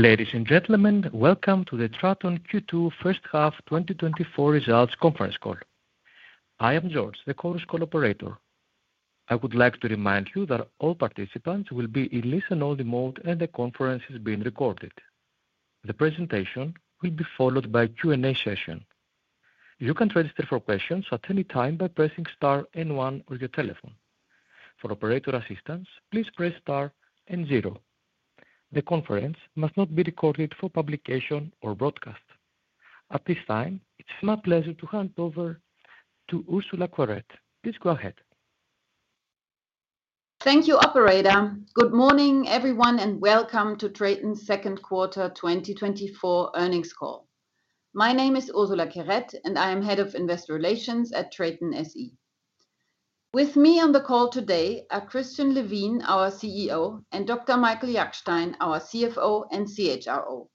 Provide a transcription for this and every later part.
Ladies and gentlemen, welcome to the TRATON Q2 first half 2024 results conference call. I am George, the conference call operator. I would like to remind you that all participants will be in listen-only mode, and the conference is being recorded. The presentation will be followed by Q&A session. You can register for questions at any time by pressing star and one on your telephone. For operator assistance, please press star and zero. The conference must not be recorded for publication or broadcast. At this time, it's my pleasure to hand over to Ursula Querette. Please go ahead. Thank you, operator. Good morning, everyone, and welcome to TRATON's second quarter 2024 earnings call. My name is Ursula Querette, and I am Head of Investor Relations at TRATON SE. With me on the call today are Christian Levin, our CEO, and Dr. Michael Jackstein, our CFO and CHRO.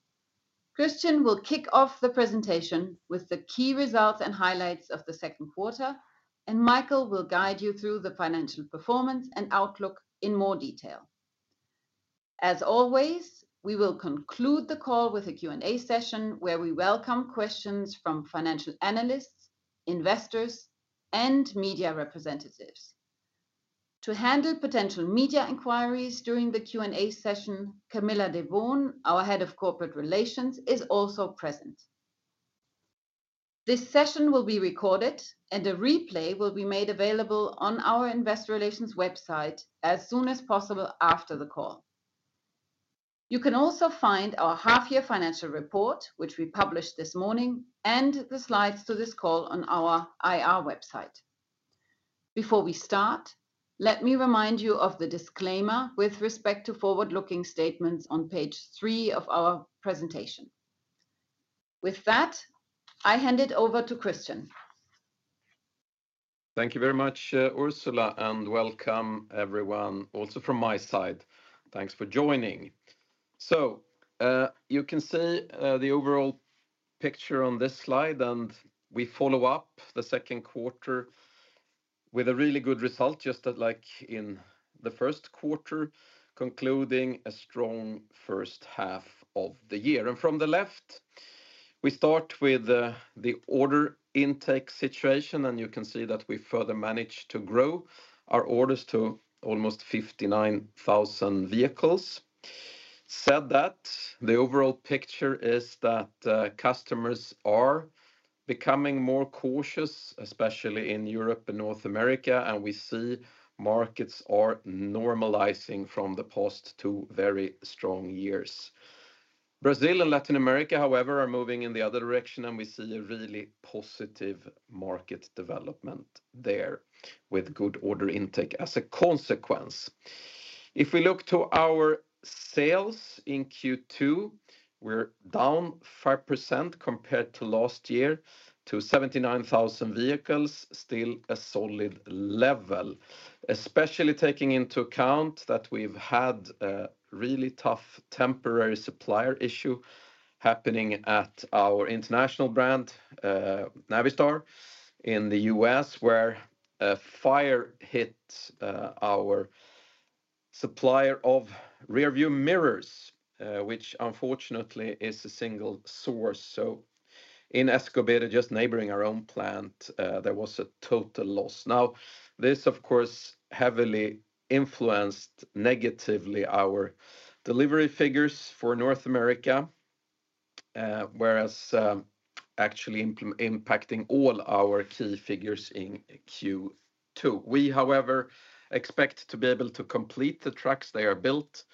Christian will kick off the presentation with the key results and highlights of the second quarter, and Michael will guide you through the financial performance and outlook in more detail. As always, we will conclude the call with a Q&A session, where we welcome questions from financial analysts, investors, and media representatives. To handle potential media inquiries during the Q&A session, Camilla Dewoon, our Head of Corporate Relations, is also present. This session will be recorded, and a replay will be made available on our investor relations website as soon as possible after the call. You can also find our half year financial report, which we published this morning, and the slides to this call on our IR website. Before we start, let me remind you of the disclaimer with respect to forward-looking statements on page three of our presentation. With that, I hand it over to Christian. Thank you very much, Ursula, and welcome, everyone, also from my side. Thanks for joining. So, you can see the overall picture on this slide, and we follow up the second quarter with a really good result, just like in the first quarter, concluding a strong first half of the year. And from the left, we start with the order intake situation, and you can see that we further managed to grow our orders to almost 59,000 vehicles. Said that, the overall picture is that customers are becoming more cautious, especially in Europe and North America, and we see markets are normalizing from the past two very strong years. Brazil and Latin America, however, are moving in the other direction, and we see a really positive market development there, with good order intake as a consequence. If we look to our sales in Q2, we're down 5% compared to last year, to 79,000 vehicles. Still a solid level, especially taking into account that we've had a really tough temporary supplier issue happening at our International brand, Navistar in the U.S., where a fire hit, our supplier of rearview mirrors, which unfortunately is a single source. So in Escobedo, just neighboring our own plant, there was a total loss. Now, this, of course, heavily influenced negatively our delivery figures for North America, whereas, actually impacting all our key figures in Q2. We, however, expect to be able to complete the trucks. They are built,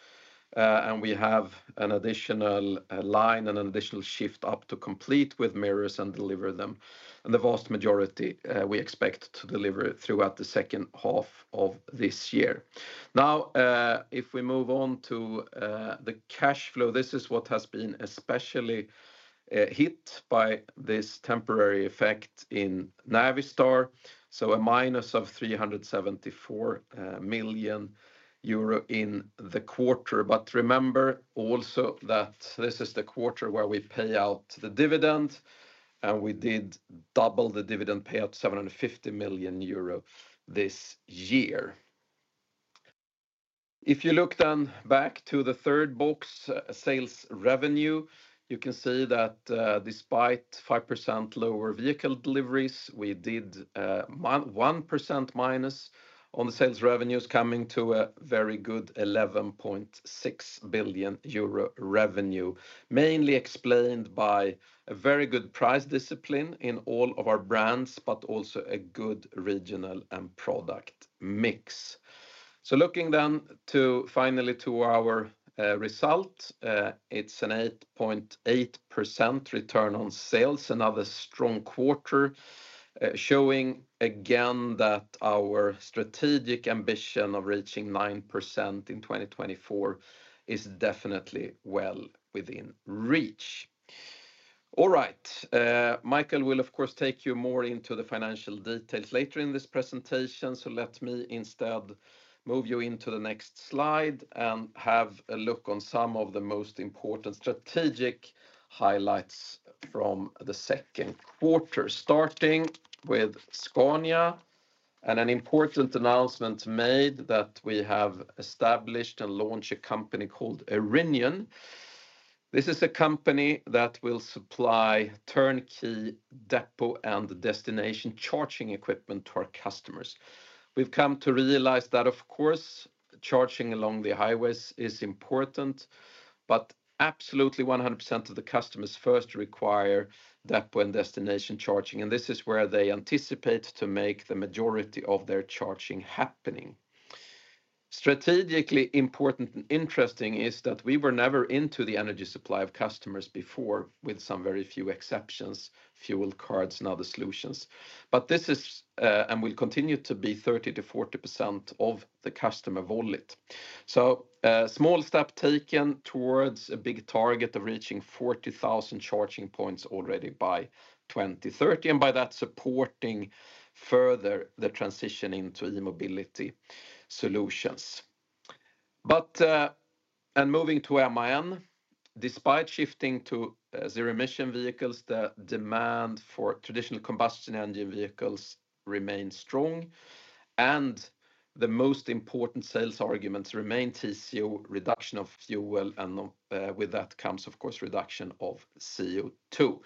and we have an additional line and an additional shift up to complete with mirrors and deliver them. And the vast majority, we expect to deliver throughout the second half of this year. Now, if we move on to the cash flow, this is what has been especially hit by this temporary effect in Navistar, so a minus of 374 million euro in the quarter. But remember also that this is the quarter where we pay out the dividend, and we did double the dividend, pay out 750 million euro this year. If you look then back to the third box, sales revenue, you can see that, despite 5% lower vehicle deliveries, we did 1% minus on the sales revenues, coming to a very good 11.6 billion euro revenue. Mainly explained by a very good price discipline in all of our brands, but also a good regional and product mix. So looking then to, finally to our result, it's an 8.8% return on sales. Another strong quarter, showing again that our strategic ambition of reaching 9% in 2024 is definitely well within reach. All right. Michael will, of course, take you more into the financial details later in this presentation. So let me instead move you into the next slide, and have a look on some of the most important strategic highlights from the second quarter. Starting with Scania and an important announcement made that we have established and launched a company called Erinion. This is a company that will supply turnkey depot and destination charging equipment to our customers. We've come to realize that, of course, charging along the highways is important, but absolutely 100% of the customers first require depot and destination charging, and this is where they anticipate to make the majority of their charging happening. Strategically important and interesting is that we were never into the energy supply of customers before, with some very few exceptions, fuel cards, and other solutions. But this is, and will continue to be 30%-40% of the customer wallet. A small step taken towards a big target of reaching 40,000 charging points already by 2030, and by that, supporting further the transition into e-mobility solutions. Moving to MAN, despite shifting to zero-emission vehicles, the demand for traditional combustion engine vehicles remains strong, and the most important sales arguments remain TCO, reduction of fuel, and with that comes, of course, reduction of CO2.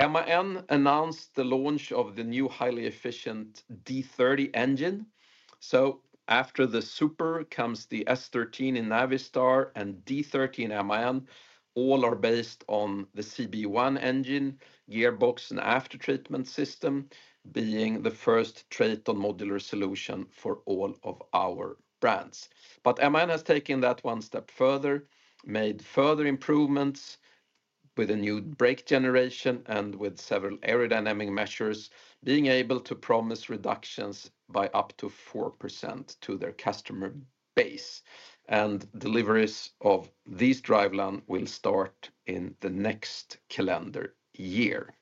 MAN announced the launch of the new highly efficient D30 engine. So after the Super comes the S13 in Navistar and D30 in MAN. All are based on the CBE1 engine, gearbox, and aftertreatment system, being the first true modular solution for all of our brands. But MAN has taken that one step further, made further improvements with a new brake generation and with several aerodynamic measures, being able to promise reductions by up to 4% to their customer base, and deliveries of these driveline will start in the next calendar year.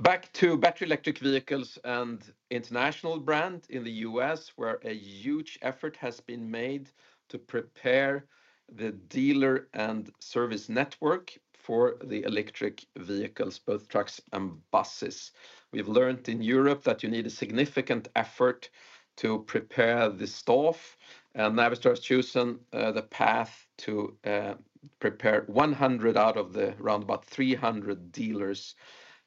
Back to battery electric vehicles and International brand in the U.S., where a huge effort has been made to prepare the dealer and service network for the electric vehicles, both trucks and buses. We've learned in Europe that you need a significant effort to prepare the staff, and Navistar has chosen the path to prepare 100 out of the roundabout 300 dealers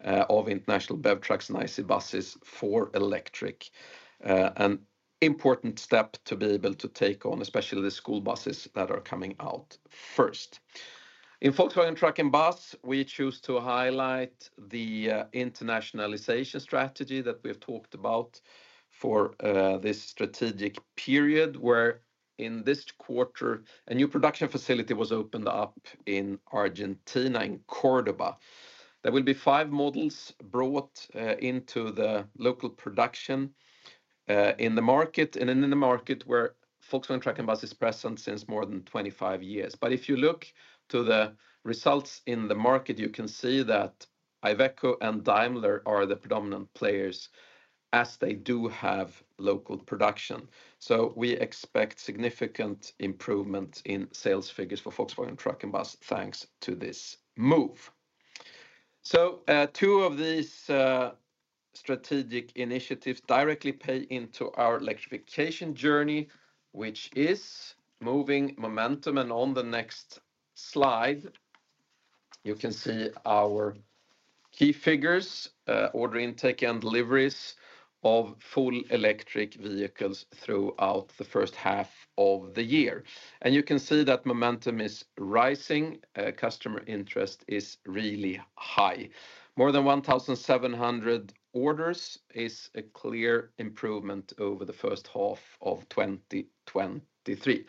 of International BEV trucks, and IC buses for electric. An important step to be able to take on, especially the school buses that are coming out first. In Volkswagen Truck & Bus, we choose to highlight the internationalization strategy that we have talked about for this strategic period, where in this quarter, a new production facility was opened up in Argentina, in Córdoba. There will be five models brought into the local production in the market, and in the market where Volkswagen Truck & Bus is present since more than 25 years. But if you look to the results in the market, you can see that Iveco and Daimler are the predominant players, as they do have local production. So we expect significant improvement in sales figures for Volkswagen Truck & Bus, thanks to this move. So, two of these strategic initiatives directly play into our electrification journey, which is moving momentum. And on the next slide, you can see our key figures, order intake and deliveries of full electric vehicles throughout the first half of the year. And you can see that momentum is rising. Customer interest is really high. More than 1,700 orders is a clear improvement over the first half of 2023.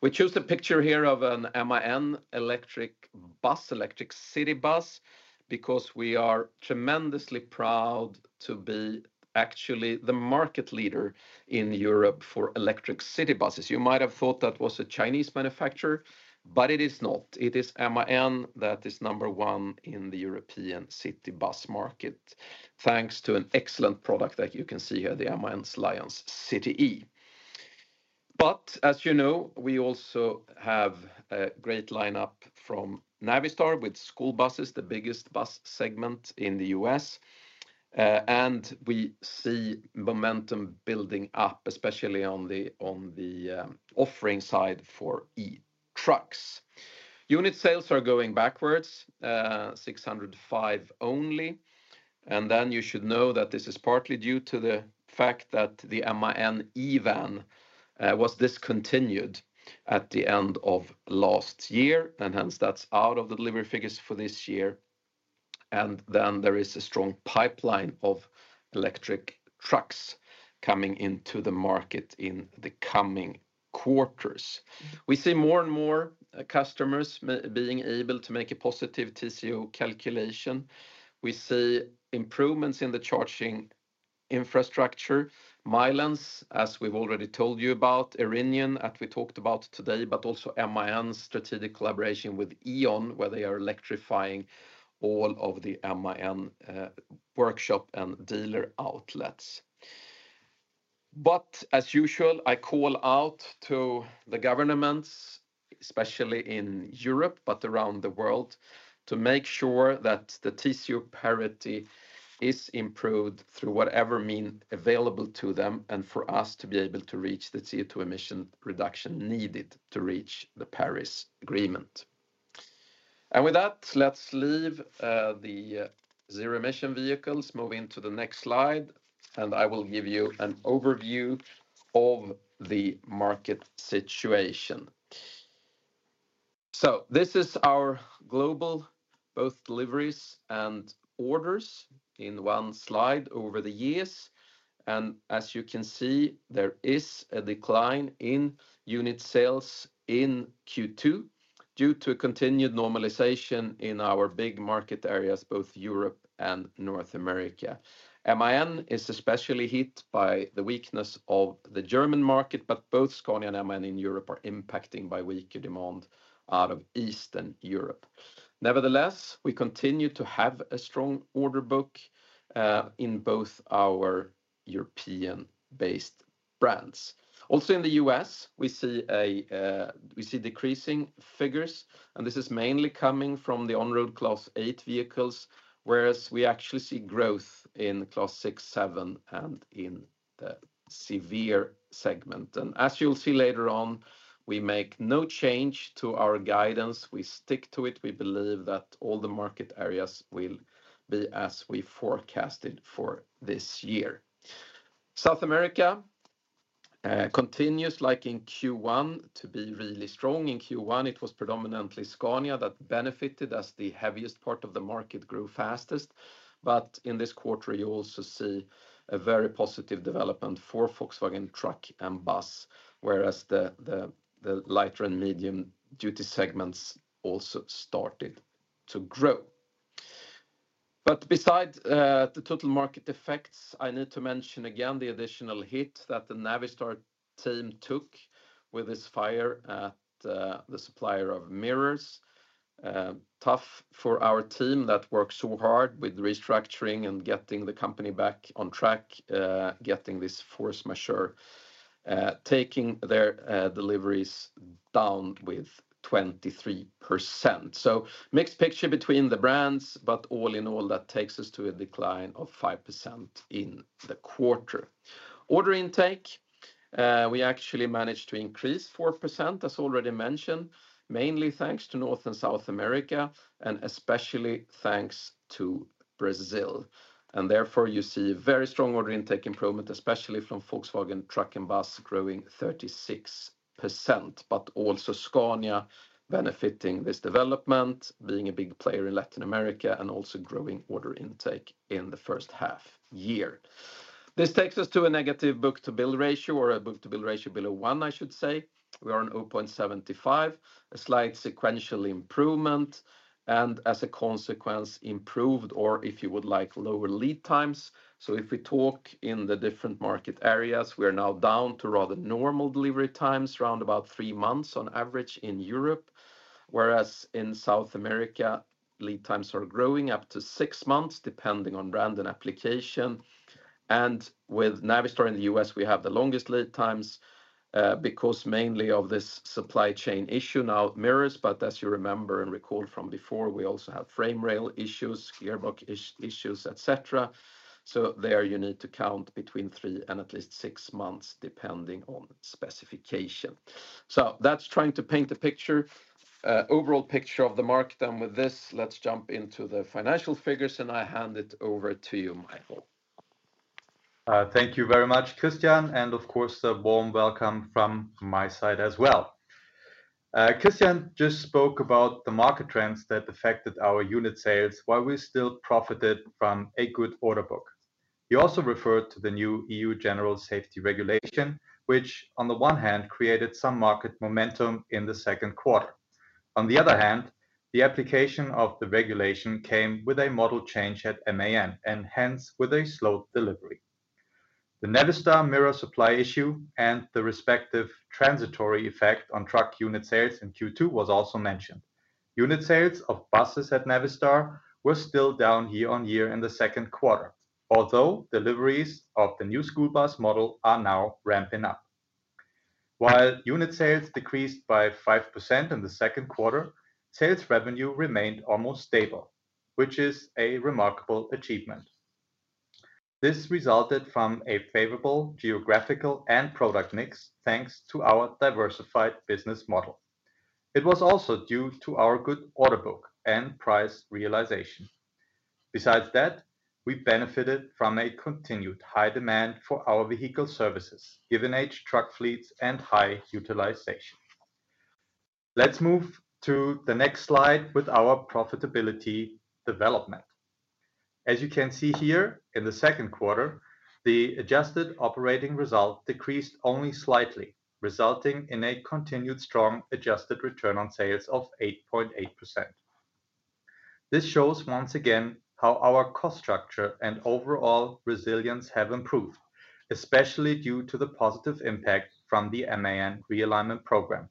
We choose the picture here of an MAN electric bus, electric city bus, because we are tremendously proud to be actually the market leader in Europe for electric city buses. You might have thought that was a Chinese manufacturer, but it is not. It is MAN that is number one in the European city bus market, thanks to an excellent product that you can see here, the MAN Lion's City E. But as you know, we also have a great lineup from Navistar with school buses, the biggest bus segment in the U.S. And we see momentum building up, especially on the offering side for E-trucks. Unit sales are going backwards, 605 only. You should know that this is partly due to the fact that the MAN eVan was discontinued at the end of last year, and hence, that's out of the delivery figures for this year. There is a strong pipeline of electric trucks coming into the market in the coming quarters. We see more and more customers being able to make a positive TCO calculation. We see improvements in the charging infrastructure. Milence, as we've already told you about, Erinion, that we talked about today, but also MAN's strategic collaboration with E.ON, where they are electrifying all of the MAN workshop and dealer outlets. But as usual, I call out to the governments, especially in Europe, but around the world, to make sure that the TCO parity is improved through whatever means available to them, and for us to be able to reach the CO2 emission reduction needed to reach the Paris Agreement. And with that, let's leave the zero-emission vehicles. Move into the next slide, and I will give you an overview of the market situation. So this is our global, both deliveries and orders, in one slide over the years. And as you can see, there is a decline in unit sales in Q2 due to a continued normalization in our big market areas, both Europe and North America. MAN is especially hit by the weakness of the German market, but both Scania and MAN in Europe are impacting by weaker demand out of Eastern Europe. Nevertheless, we continue to have a strong order book in both our European-based brands. Also in the U.S., we see decreasing figures, and this is mainly coming from the on-road Class 8 vehicles, whereas we actually see growth in Class 6, 7, and in the severe segment. As you'll see later on, we make no change to our guidance. We stick to it. We believe that all the market areas will be as we forecasted for this year. South America continues, like in Q1, to be really strong. In Q1, it was predominantly Scania that benefited as the heaviest part of the market grew fastest. In this quarter, you also see a very positive development for Volkswagen Truck & Bus, whereas the lighter and medium-duty segments also started to grow. But besides, the total market effects, I need to mention again the additional hit that the Navistar team took with this fire at the supplier of mirrors. Tough for our team that worked so hard with restructuring and getting the company back on track, getting this force majeure, taking their deliveries down with 23%. So mixed picture between the brands, but all in all, that takes us to a decline of 5% in the quarter. Order intake, we actually managed to increase 4%, as already mentioned, mainly thanks to North and South America, and especially thanks to Brazil, and therefore, you see very strong order intake improvement, especially from Volkswagen Truck & Bus, growing 36%. But also Scania benefiting this development, being a big player in Latin America, and also growing order intake in the first half year. This takes us to a negative book-to-bill ratio, or a book-to-bill ratio below one, I should say. We are on 0.75, a slight sequential improvement, and as a consequence, improved, or if you would like, lower lead times. So if we talk in the different market areas, we are now down to rather normal delivery times, around about three months on average in Europe. Whereas in South America, lead times are growing up to six months, depending on brand and application. And with Navistar in the U.S., we have the longest lead times, because mainly of this supply chain issue, now mirrors, but as you remember and recall from before, we also have frame rail issues, gearbox issues, et cetera. So there you need to count between three and at least six months, depending on specification. So that's trying to paint the picture, overall picture of the market. And with this, let's jump into the financial figures, and I hand it over to you, Michael. Thank you very much, Christian, and of course, a warm welcome from my side as well. Christian just spoke about the market trends that affected our unit sales, while we still profited from a good order book. He also referred to the new EU General Safety Regulation, which on the one hand, created some market momentum in the second quarter. On the other hand, the application of the regulation came with a model change at MAN, and hence with a slow delivery. The Navistar mirror supply issue and the respective transitory effect on truck unit sales in Q2 was also mentioned. Unit sales of buses at Navistar were still down year-over-year in the second quarter, although deliveries of the new school bus model are now ramping up. While unit sales decreased by 5% in the second quarter, sales revenue remained almost stable, which is a remarkable achievement. This resulted from a favorable geographical and product mix, thanks to our diversified business model. It was also due to our good order book and price realization. Besides that, we benefited from a continued high demand for our vehicle services, given age truck fleets, and high utilization. Let's move to the next slide with our profitability development. As you can see here, in the second quarter, the adjusted operating result decreased only slightly, resulting in a continued strong adjusted return on sales of 8.8%. This shows once again how our cost structure and overall resilience have improved, especially due to the positive impact from the MAN realignment program,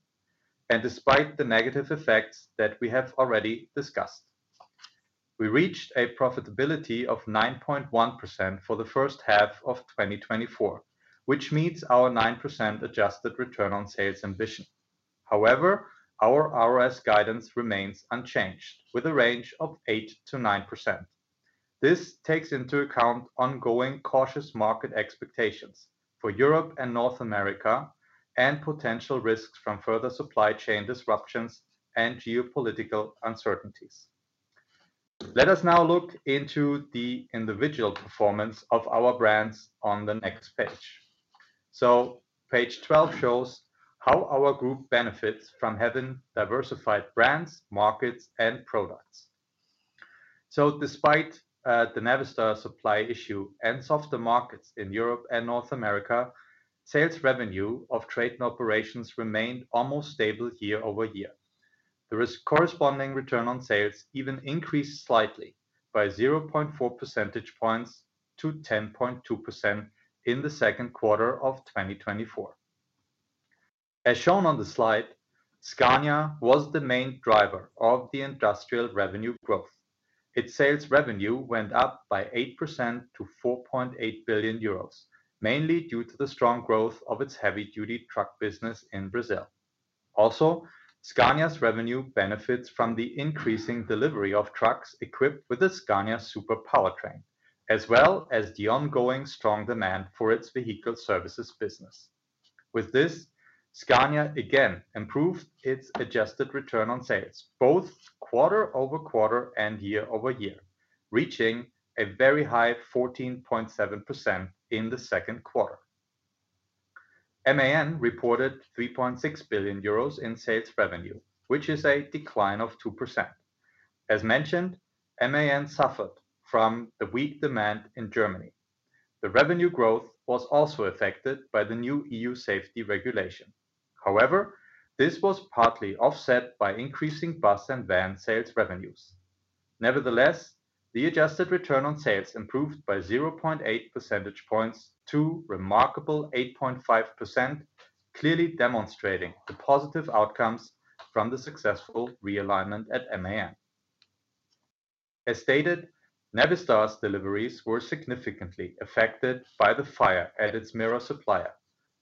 and despite the negative effects that we have already discussed. We reached a profitability of 9.1% for the first half of 2024, which meets our 9% adjusted return on sales ambition. However, our ROS guidance remains unchanged, with a range of 8%-9%. This takes into account ongoing cautious market expectations for Europe and North America, and potential risks from further supply chain disruptions and geopolitical uncertainties. Let us now look into the individual performance of our brands on the next page. So page 12 shows how our group benefits from having diversified brands, markets, and products. So despite the Navistar supply issue and softer markets in Europe and North America, sales revenue of TRATON Operations remained almost stable year-over-year. The resulting return on sales even increased slightly by 0.4 percentage points to 10.2% in the second quarter of 2024. As shown on the slide, Scania was the main driver of the industrial revenue growth. Its sales revenue went up by 8% to 4.8 billion euros, mainly due to the strong growth of its heavy-duty truck business in Brazil. Also, Scania's revenue benefits from the increasing delivery of trucks equipped with a Scania Super powertrain, as well as the ongoing strong demand for its vehicle services business. With this, Scania again improved its adjusted return on sales, both quarter-over-quarter and year-over-year, reaching a very high 14.7% in the second quarter. MAN reported 3.6 billion euros in sales revenue, which is a decline of 2%. As mentioned, MAN suffered from the weak demand in Germany. The revenue growth was also affected by the new EU safety regulation. However, this was partly offset by increasing bus and van sales revenues. Nevertheless, the adjusted return on sales improved by 0.8 percentage points to remarkable 8.5%, clearly demonstrating the positive outcomes from the successful realignment at MAN. As stated, Navistar's deliveries were significantly affected by the fire at its mirror supplier,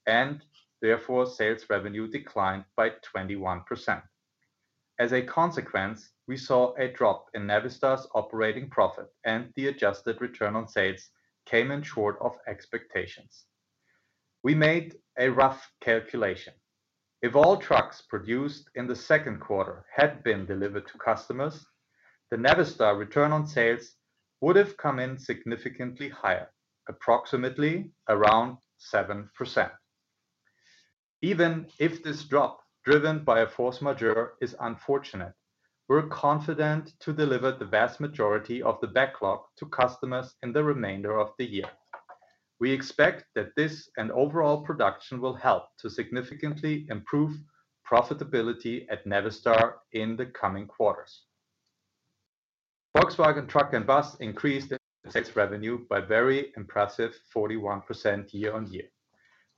and therefore, sales revenue declined by 21%. As a consequence, we saw a drop in Navistar's operating profit, and the adjusted return on sales came in short of expectations. We made a rough calculation: if all trucks produced in the second quarter had been delivered to customers, the Navistar return on sales would have come in significantly higher, approximately around 7%. Even if this drop, driven by a force majeure, is unfortunate, we're confident to deliver the vast majority of the backlog to customers in the remainder of the year. We expect that this and overall production will help to significantly improve profitability at Navistar in the coming quarters. Volkswagen Truck& Bus increased its revenue by very impressive 41% year-on-year.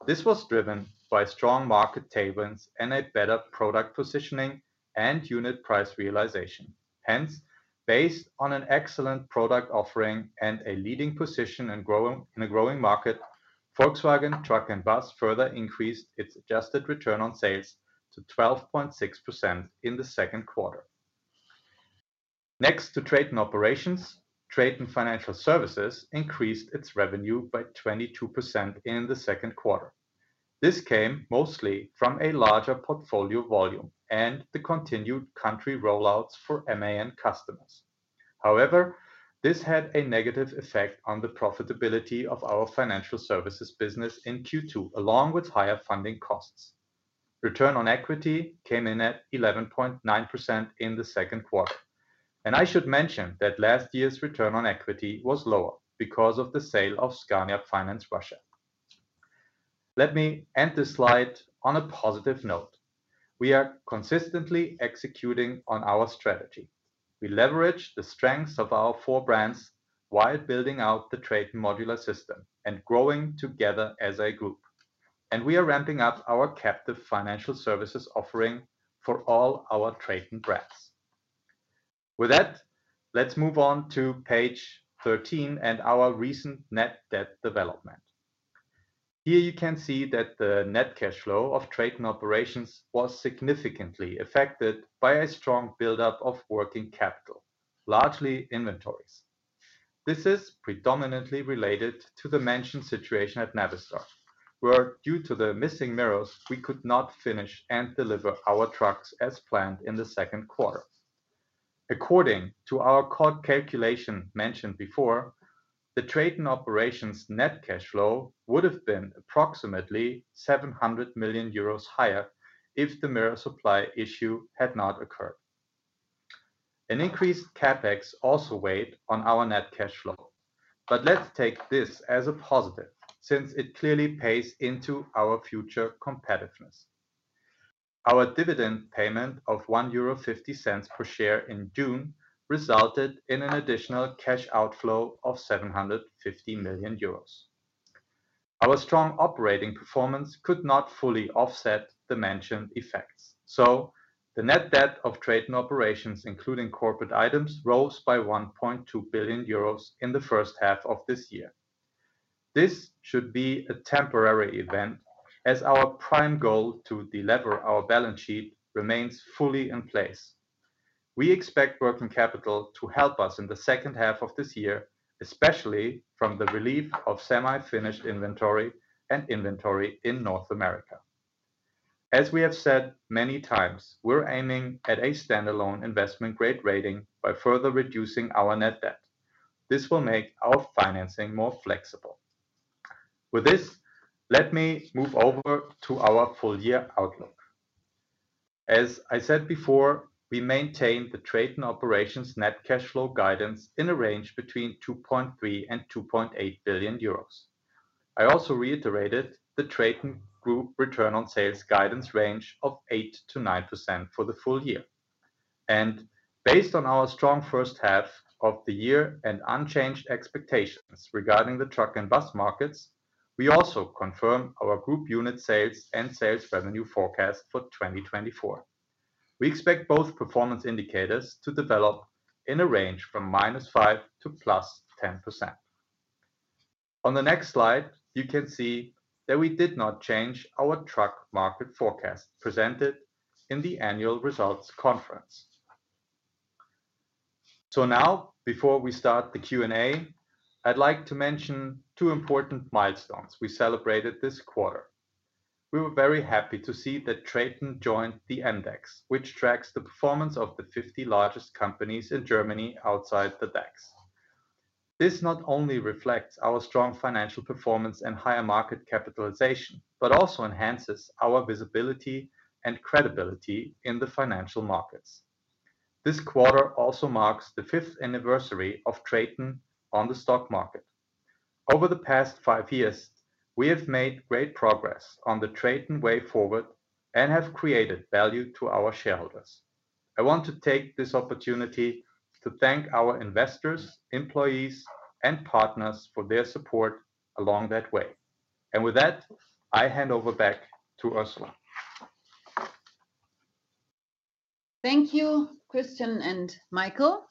This was driven by strong market tailwinds and a better product positioning and unit price realization. Hence, based on an excellent product offering and a leading position in growing, in a growing market, Volkswagen Truck & Bus further increased its adjusted return on sales to 12.6% in the second quarter. Next to TRATON Operations, TRATON Financial Services increased its revenue by 22% in the second quarter. This came mostly from a larger portfolio volume and the continued country rollouts for MAN customers. However, this had a negative effect on the profitability of our financial services business in Q2, along with higher funding costs. Return on equity came in at 11.9% in the second quarter, and I should mention that last year's return on equity was lower because of the sale of Scania Finance Russia. Let me end this slide on a positive note. We are consistently executing on our strategy. We leverage the strengths of our four brands while building out the TRATON modular system and growing together as a group, and we are ramping up our captive financial services offering for all our TRATON brands. With that, let's move on to page 13 and our recent net debt development. Here you can see that the net cash flow of TRATON Operations was significantly affected by a strong buildup of working capital, largely inventories. This is predominantly related to the mentioned situation at Navistar, where due to the missing mirrors, we could not finish and deliver our trucks as planned in the second quarter. According to our calculation mentioned before, the TRATON Operations net cash flow would have been approximately 700 million euros higher if the mirror supply issue had not occurred. An increased CapEx also weighed on our net cash flow, but let's take this as a positive, since it clearly pays into our future competitiveness. Our dividend payment of 1.50 euro per share in June resulted in an additional cash outflow of 750 million euros. Our strong operating performance could not fully offset the mentioned effects. So the net debt of TRATON operations, including corporate items, rose by 1.2 billion euros in the first half of this year. This should be a temporary event, as our prime goal to deliver our balance sheet remains fully in place. We expect working capital to help us in the second half of this year, especially from the relief of semi-finished inventory and inventory in North America. As we have said many times, we're aiming at a standalone investment grade rating by further reducing our net debt. This will make our financing more flexible. With this, let me move over to our full year outlook. As I said before, we maintain the TRATON operations net cash flow guidance in a range between 2.3 billion and 2.8 billion euros. I also reiterated the TRATON Group return on sales guidance range of 8%-9% for the full year. Based on our strong first half of the year and unchanged expectations regarding the truck and bus markets, we also confirm our group unit sales and sales revenue forecast for 2024. We expect both performance indicators to develop in a range from -5% to +10%. On the next slide, you can see that we did not change our truck market forecast presented in the annual results conference. So now, before we start the Q&A, I'd like to mention two important milestones we celebrated this quarter. We were very happy to see that TRATON joined the MDAX, which tracks the performance of the 50 largest companies in Germany outside the DAX. This not only reflects our strong financial performance and higher market capitalization, but also enhances our visibility and credibility in the financial markets. This quarter also marks the fifth anniversary of TRATON on the stock market. Over the past five years, we have made great progress on the TRATON Way Forward and have created value to our shareholders. I want to take this opportunity to thank our investors, employees, and partners for their support along that way. With that, I hand over back to Ursula. Thank you, Christian and Michael.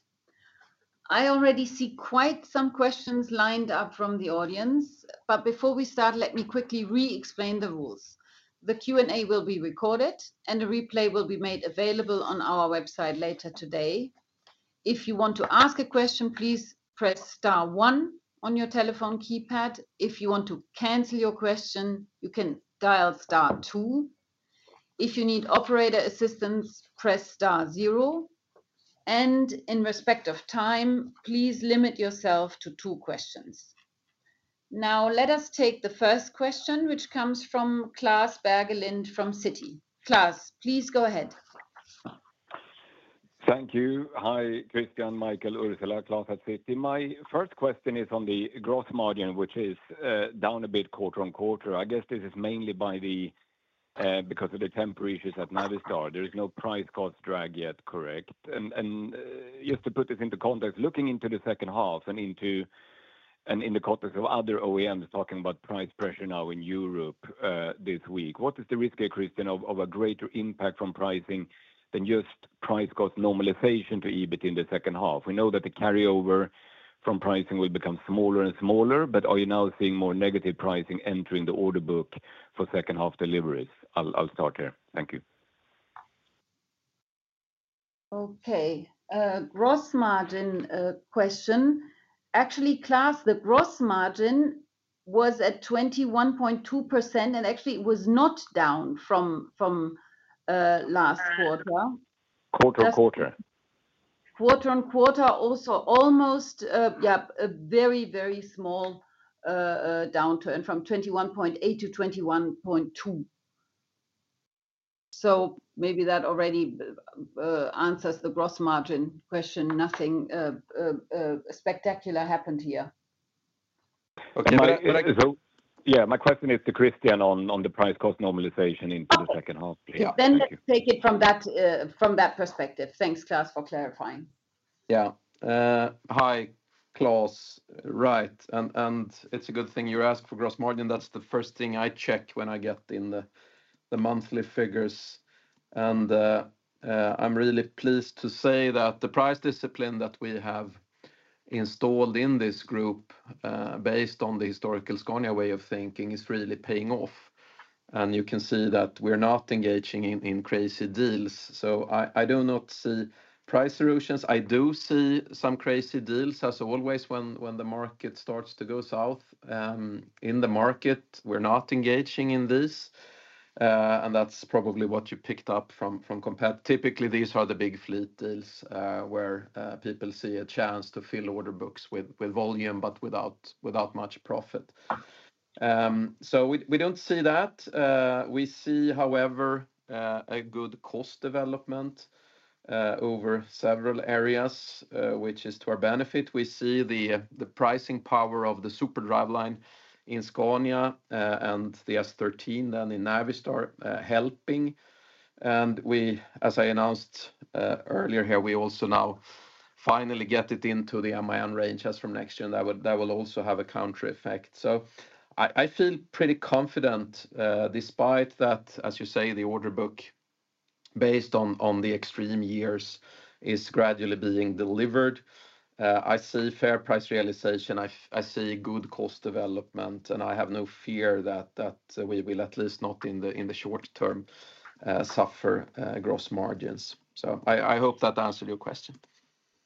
I already see quite some questions lined up from the audience, but before we start, let me quickly re-explain the rules. The Q&A will be recorded, and a replay will be made available on our website later today. If you want to ask a question, please press star one on your telephone keypad. If you want to cancel your question, you can dial star two. If you need operator assistance, press star zero, and in respect of time, please limit yourself to two questions. Now, let us take the first question, which comes from Klas Bergelind from Citi. Klas, please go ahead. Thank you. Hi, Christian, Michael, Ursula. Klas at Citi. My first question is on the gross margin, which is down a bit quarter-on-quarter. I guess this is mainly because of the temporary issues at Navistar. There is no price cost drag yet, correct? And just to put this into context, looking into the second half and in the context of other OEMs talking about price pressure now in Europe this week, what is the risk here, Christian, of a greater impact from pricing than just price cost normalization to EBIT in the second half? We know that the carryover from pricing will become smaller and smaller, but are you now seeing more negative pricing entering the order book for second half deliveries? I'll start here. Thank you. Okay, gross margin question. Actually, Klas, the gross margin was at 21.2%, and actually it was not down from last quarter. Quarter-over-quarter. Quarter-on-quarter, also almost, a very, very small downturn from 21.8% to 21.2%. So maybe that already answers the gross margin question. Nothing spectacular happened here. Okay, so- Yeah, my question is to Christian on the price cost normalization into the second half. Oh! Yeah. Thank you. Then let's take it from that, from that perspective. Thanks, Klas, for clarifying. Yeah. Hi, Klas. Right, and it's a good thing you ask for gross margin. That's the first thing I check when I get in the monthly figures. And I'm really pleased to say that the price discipline that we have installed in this group, based on the historical Scania way of thinking, is really paying off, and you can see that we're not engaging in crazy deals. So I do not see price reductions. I do see some crazy deals, as always, when the market starts to go south. In the market, we're not engaging in this, and that's probably what you picked up from compare. Typically, these are the big fleet deals, where people see a chance to fill order books with volume, but without much profit. So we don't see that. We see, however, a good cost development over several areas, which is to our benefit. We see the pricing power of the Super driveline in Scania and the S13 then in Navistar helping. And we, as I announced earlier here, we also finally get it into the MAN range as from next year, and that will also have a counter effect. So I feel pretty confident, despite that, as you say, the order book, based on the extreme years, is gradually being delivered. I see fair price realization, I see good cost development, and I have no fear that we will, at least not in the short term, suffer gross margins. So I hope that answered your question.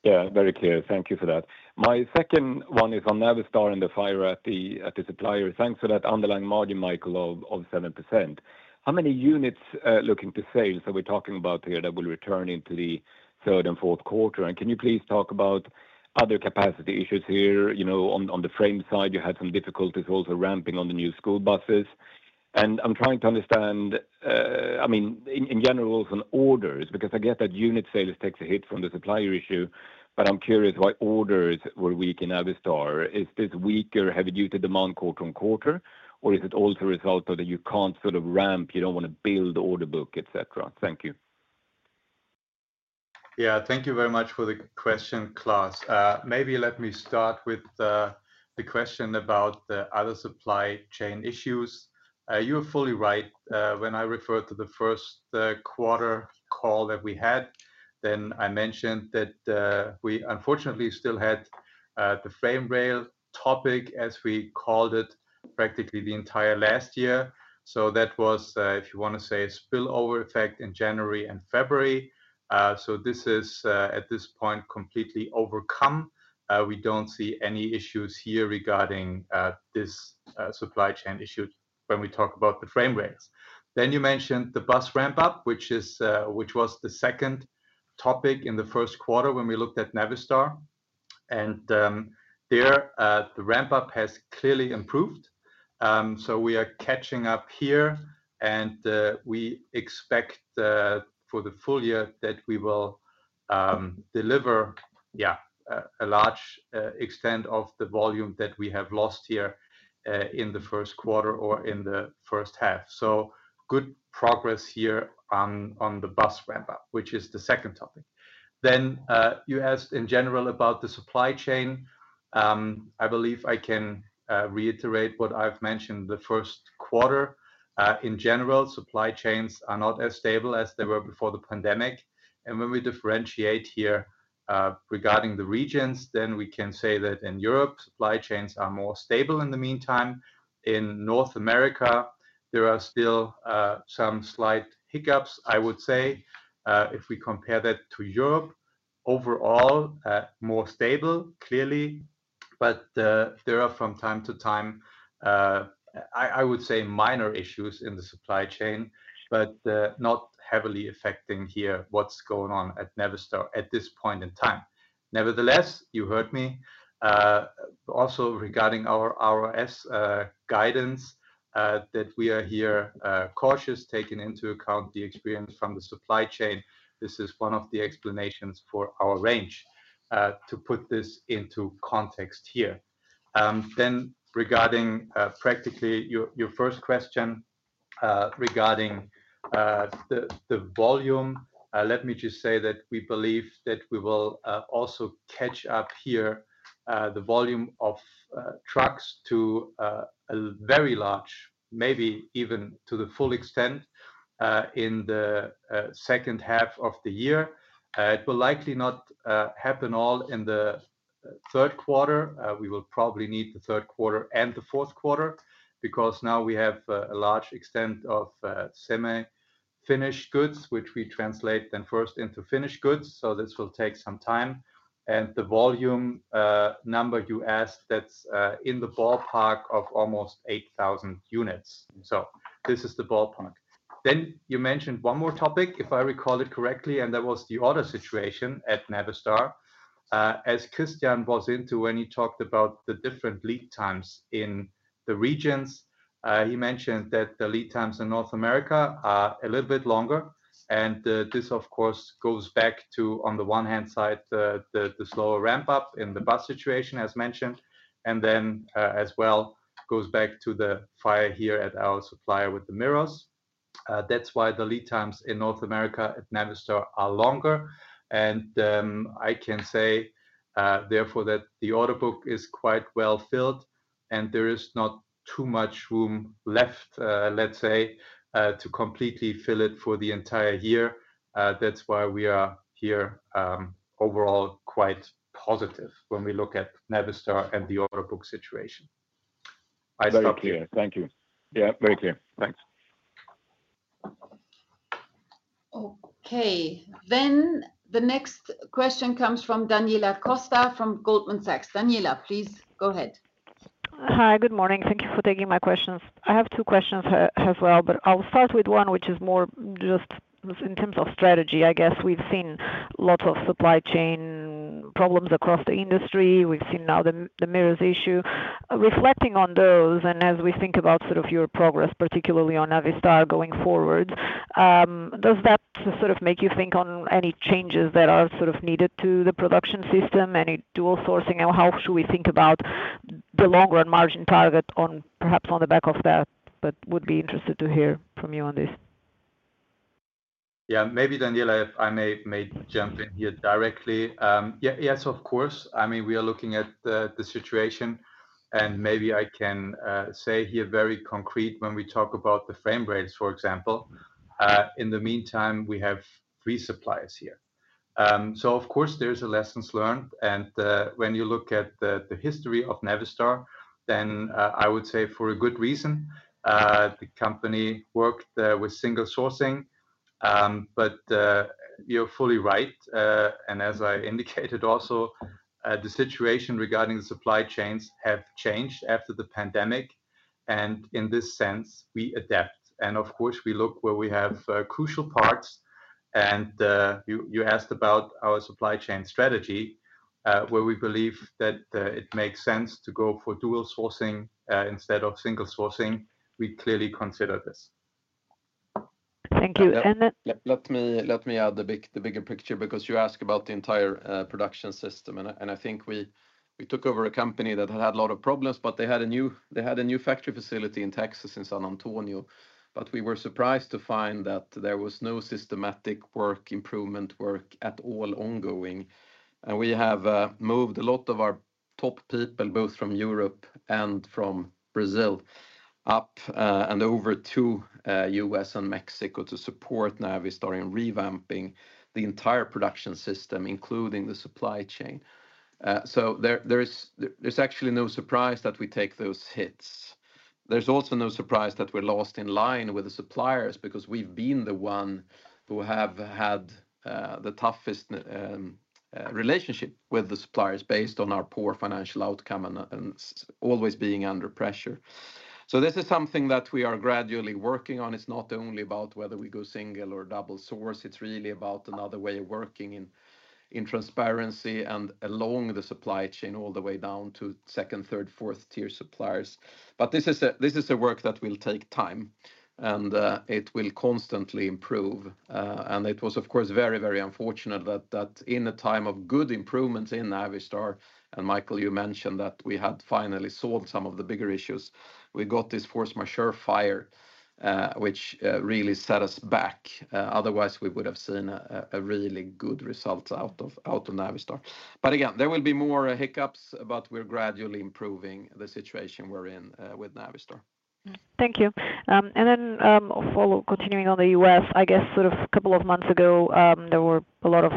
Yeah, very clear. Thank you for that. My second one is on Navistar and the fire at the supplier. Thanks for that underlying margin, Michael, of 7%. How many units looking to sales are we talking about here that will return into the third and fourth quarter? And can you please talk about other capacity issues here? You know, on the frame side, you had some difficulties also ramping on the new school buses. And I'm trying to understand, I mean, in general from orders, because I get that unit sales takes a hit from the supplier issue, but I'm curious why orders were weak in Navistar. Is this weakness due to demand quarter-on-quarter, or is it also a result of that you can't sort of ramp, you don't wanna build order book, et cetera? Thank you. Yeah, thank you very much for the question, Klas. Maybe let me start with the question about the other supply chain issues. You're fully right. When I referred to the first quarter call that we had, then I mentioned that we unfortunately still had the frame rail topic, as we called it, practically the entire last year. So that was, if you wanna say, a spillover effect in January and February. So this is, at this point, completely overcome. We don't see any issues here regarding this supply chain issue when we talk about the frame rails. Then you mentioned the bus ramp-up, which is, which was the second topic in the first quarter when we looked at Navistar. And, there, the ramp-up has clearly improved. So we are catching up here, and we expect for the full year that we will deliver, yeah, a large extent of the volume that we have lost here in the first quarter or in the first half. So good progress here on the bus ramp-up, which is the second topic. Then you asked in general about the supply chain. I believe I can reiterate what I've mentioned the first quarter. In general, supply chains are not as stable as they were before the pandemic, and when we differentiate here regarding the regions, then we can say that in Europe, supply chains are more stable in the meantime. In North America, there are still some slight hiccups, I would say. If we compare that to Europe, overall more stable, clearly, but there are from time to time, I would say, minor issues in the supply chain, but not heavily affecting here what's going on at Navistar at this point in time. Nevertheless, you heard me. Also regarding our S guidance that we are here cautious, taking into account the experience from the supply chain. This is one of the explanations for our range to put this into context here. Then regarding practically your first question regarding the volume, let me just say that we believe that we will also catch up here, the volume of trucks to a very large, maybe even to the full extent, in the second half of the year. It will likely not happen all in the third quarter. We will probably need the third quarter and the fourth quarter, because now we have a large extent of semi-finished goods, which we translate then first into finished goods, so this will take some time. And the volume number you asked, that's in the ballpark of almost 8,000 units. So this is the ballpark. Then you mentioned one more topic, if I recall it correctly, and that was the order situation at Navistar. As Christian was into when he talked about the different lead times in the regions, he mentioned that the lead times in North America are a little bit longer, and this of course goes back to, on the one hand side, the slower ramp-up in the bus situation as mentioned, and then as well goes back to the fire here at our supplier with the mirrors. That's why the lead times in North America at Navistar are longer. I can say therefore that the order book is quite well filled, and there is not too much room left, let's say, to completely fill it for the entire year. That's why we are here overall quite positive when we look at Navistar and the order book situation. I stop- Very clear. Thank you. Yeah, very clear. Thanks. Okay. Then the next question comes from Daniela Costa, from Goldman Sachs. Daniela, please go ahead. Hi. Good morning. Thank you for taking my questions. I have two questions as well, but I'll start with one, which is more just in terms of strategy. I guess we've seen lots of supply chain problems across the industry. We've seen now the mirrors issue. Reflecting on those, and as we think about sort of your progress, particularly on Navistar going forward, does that sort of make you think on any changes that are sort of needed to the production system, any dual sourcing, and how should we think about the long-run margin target on perhaps on the back of that? But would be interested to hear from you on this. ... Yeah, maybe, Daniela, if I may jump in here directly. Yeah, yes, of course. I mean, we are looking at the situation, and maybe I can say here very concrete when we talk about the frame rates, for example, in the meantime, we have three suppliers here. So of course there's a lessons learned, and when you look at the history of Navistar, then I would say for a good reason the company worked with single sourcing. But you're fully right, and as I indicated also, the situation regarding the supply chains have changed after the pandemic, and in this sense, we adapt. Of course, we look where we have crucial parts, and you asked about our supply chain strategy, where we believe that it makes sense to go for dual sourcing instead of single sourcing. We clearly consider this. Thank you. And then- Yeah, let me add the bigger picture, because you asked about the entire production system, and I think we took over a company that had had a lot of problems, but they had a new factory facility in Texas, in San Antonio. But we were surprised to find that there was no systematic work, improvement work at all ongoing. And we have moved a lot of our top people, both from Europe and from Brazil, up and over to U.S. and Mexico to support Navistar in revamping the entire production system, including the supply chain. So there's actually no surprise that we take those hits. There's also no surprise that we're lost in line with the suppliers, because we've been the one who have had the toughest relationship with the suppliers, based on our poor financial outcome and always being under pressure. So this is something that we are gradually working on. It's not only about whether we go single or double source, it's really about another way of working in transparency and along the supply chain, all the way down to second, third, fourth-tier suppliers. But this is a work that will take time, and it will constantly improve. And it was, of course, very, very unfortunate that in a time of good improvements in Navistar, and Michael, you mentioned that we had finally solved some of the bigger issues, we got this force majeure fire, which really set us back. Otherwise, we would have seen a really good result out of Navistar. But again, there will be more hiccups, but we're gradually improving the situation we're in with Navistar. Thank you. And then, continuing on the U.S., I guess sort of a couple of months ago, there were a lot of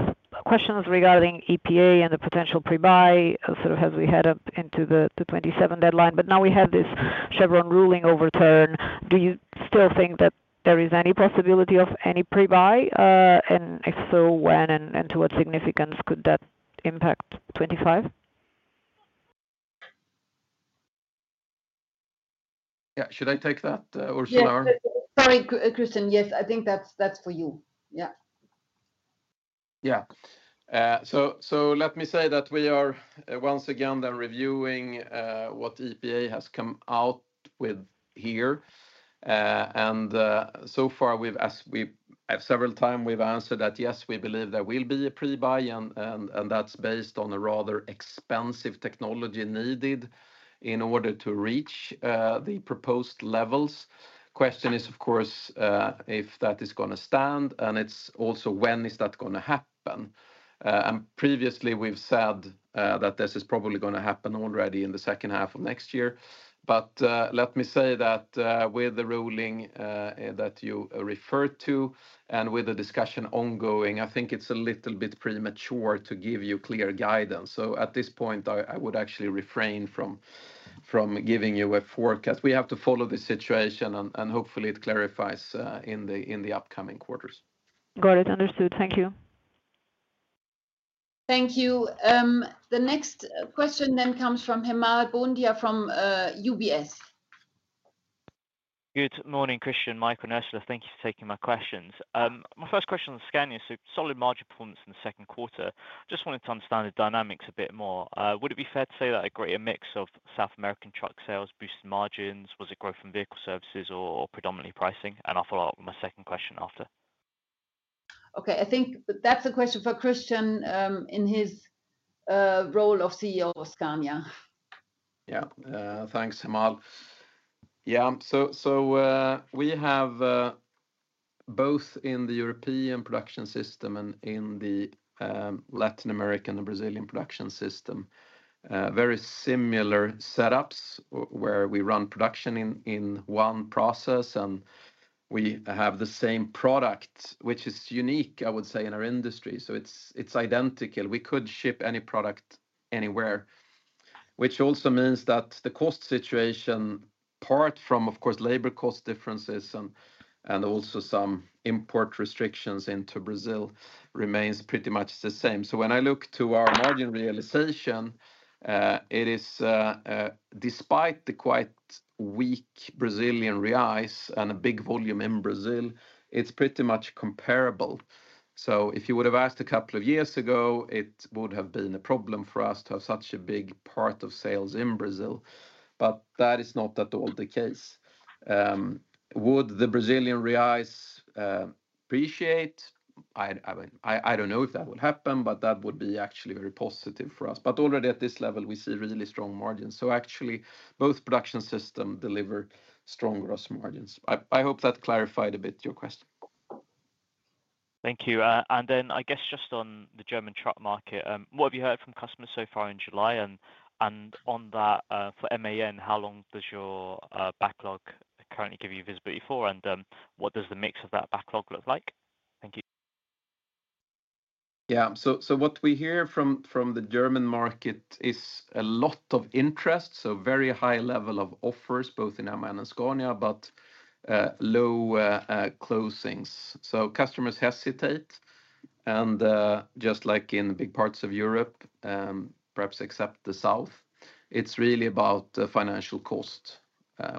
questions regarding EPA and the potential pre-buy, sort of as we head up into the, to 2027 deadline, but now we have this Chevron ruling overturned. Do you still think that there is any possibility of any pre-buy? And if so, when, and to what significance could that impact 2025? Yeah. Should I take that, Ursula? Yes. Sorry, Christian. Yes, I think that's, that's for you. Yeah. Yeah. So let me say that we are once again then reviewing what EPA has come out with here. And so far we've several times answered that, yes, we believe there will be a pre-buy, and that's based on a rather expensive technology needed in order to reach the proposed levels. Question is, of course, if that is gonna stand, and it's also when is that gonna happen? And previously, we've said that this is probably gonna happen already in the second half of next year. But let me say that with the ruling that you referred to, and with the discussion ongoing, I think it's a little bit premature to give you clear guidance. So at this point, I would actually refrain from giving you a forecast. We have to follow the situation, and hopefully it clarifies in the upcoming quarters. Got it. Understood. Thank you. Thank you. The next question then comes from Hemal Bhundia from UBS. Good morning, Christian, Michael, and Ursula. Thank you for taking my questions. My first question on Scania, so solid margin performance in the second quarter. Just wanted to understand the dynamics a bit more. Would it be fair to say that a greater mix of South American truck sales boosted margins? Was it growth in vehicle services or predominantly pricing? And I'll follow up with my second question after. Okay, I think that's a question for Christian, in his role of CEO of Scania. Yeah. Thanks, Hemal. Yeah, so, so, we have, both in the European production system and in the, Latin American and Brazilian production system, very similar setups, where we run production in, in one process, and we have the same product, which is unique, I would say, in our industry. So it's, it's identical. We could ship any product anywhere, which also means that the cost situation, apart from, of course, labor cost differences and, and also some import restrictions into Brazil, remains pretty much the same. So when I look to our margin realization, it is, despite the quite weak Brazilian reais and a big volume in Brazil, it's pretty much comparable. So if you would have asked a couple of years ago, it would have been a problem for us to have such a big part of sales in Brazil, but that is not at all the case. Would the Brazilian reais appreciate? I mean, I don't know if that will happen, but that would be actually very positive for us. But already at this level, we see really strong margins, so actually, both production system deliver strong gross margins. I hope that clarified a bit your question. Thank you. And then I guess just on the German truck market, what have you heard from customers so far in July? And on that, for MAN, how long does your backlog currently give you visibility for, and what does the mix of that backlog look like? Thank you. Yeah. So what we hear from the German market is a lot of interest, so very high level of offers, both in MAN and Scania, but low closings. So customers hesitate, and just like in big parts of Europe, perhaps except the South, it's really about financial cost,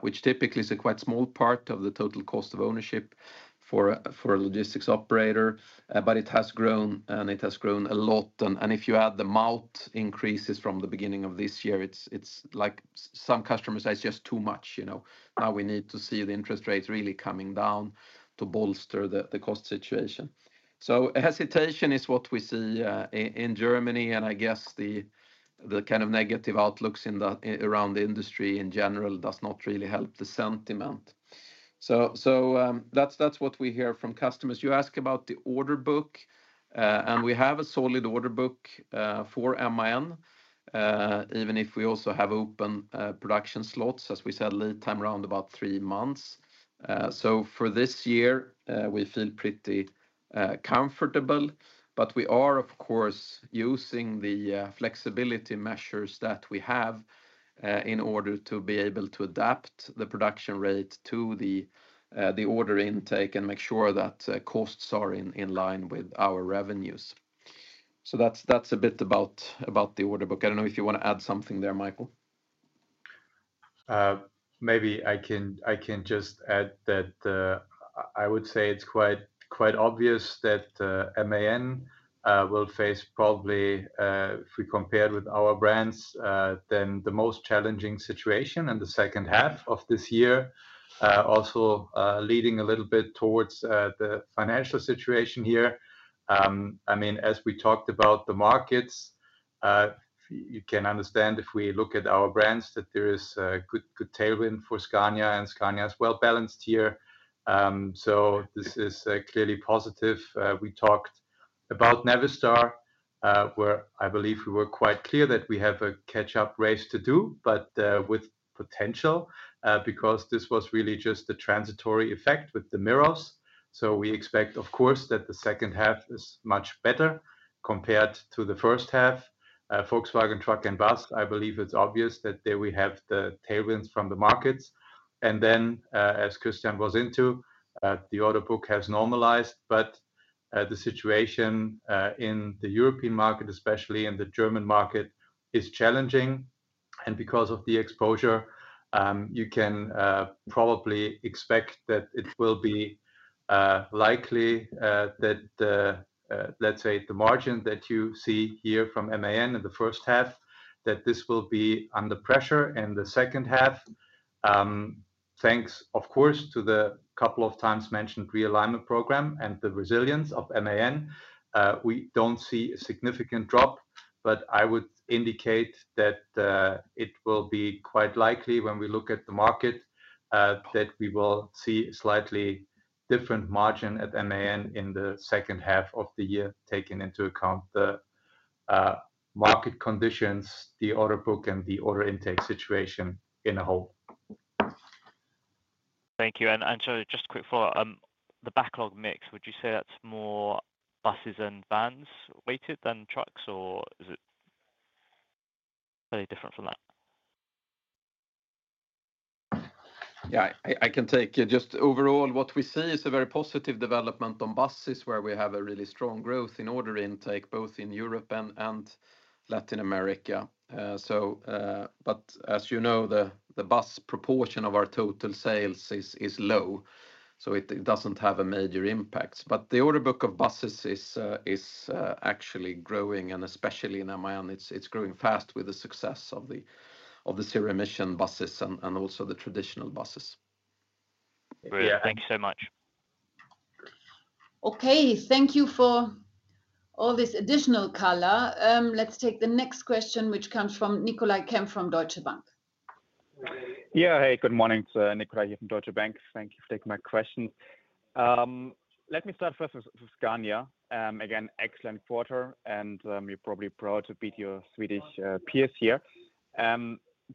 which typically is a quite small part of the total cost of ownership for a logistics operator. But it has grown, and it has grown a lot. And if you add the amount increases from the beginning of this year, it's like some customers say it's just too much, you know? Now we need to see the interest rates really coming down to bolster the cost situation. So hesitation is what we see in Germany, and I guess the kind of negative outlooks around the industry in general does not really help the sentiment. So that's what we hear from customers. You ask about the order book, and we have a solid order book for MAN, even if we also have open production slots, as we said, lead time around about three months. So for this year, we feel pretty comfortable, but we are, of course, using the flexibility measures that we have in order to be able to adapt the production rate to the order intake and make sure that costs are in line with our revenues. So that's a bit about the order book. I don't know if you want to add something there, Michael. Maybe I can just add that I would say it's quite, quite obvious that MAN will face probably, if we compare with our brands, then the most challenging situation in the second half of this year. Also, leading a little bit towards the financial situation here, I mean, as we talked about the markets, you can understand if we look at our brands, that there is a good, good tailwind for Scania, and Scania is well-balanced here. So this is clearly positive. We talked about Navistar, where I believe we were quite clear that we have a catch-up race to do, but with potential, because this was really just a transitory effect with the mirrors. So we expect, of course, that the second half is much better compared to the first half. Volkswagen Truck & Bus, I believe it's obvious that there we have the tailwinds from the markets. And then, as Christian was into, the order book has normalized, but the situation in the European market, especially in the German market, is challenging. And because of the exposure, you can probably expect that it will be likely that the, let's say the margin that you see here from MAN in the first half, that this will be under pressure in the second half. Thanks, of course, to the couple of times mentioned realignment program and the resilience of MAN, we don't see a significant drop, but I would indicate that it will be quite likely, when we look at the market, that we will see slightly different margin at MAN in the second half of the year, taking into account the market conditions, the order book, and the order intake situation in a whole. Thank you. And so just a quick follow-up. The backlog mix, would you say that's more buses and vans weighted than trucks, or is it very different from that? Yeah, I can take it. Just overall, what we see is a very positive development on buses, where we have a really strong growth in order intake, both in Europe and Latin America. So, but as you know, the bus proportion of our total sales is low, so it doesn't have a major impact. But the order book of buses is actually growing, and especially in MAN, it's growing fast with the success of the zero-emission buses and also the traditional buses. Brilliant. Yeah. Thank you so much. Okay, thank you for all this additional color. Let's take the next question, which comes from Nicolai Kempf from Deutsche Bank. Yeah. Hey, good morning. It's Nicolai Kempf here from Deutsche Bank. Thank you for taking my question. Let me start first with Scania. Again, excellent quarter, and you're probably proud to beat your Swedish peers here.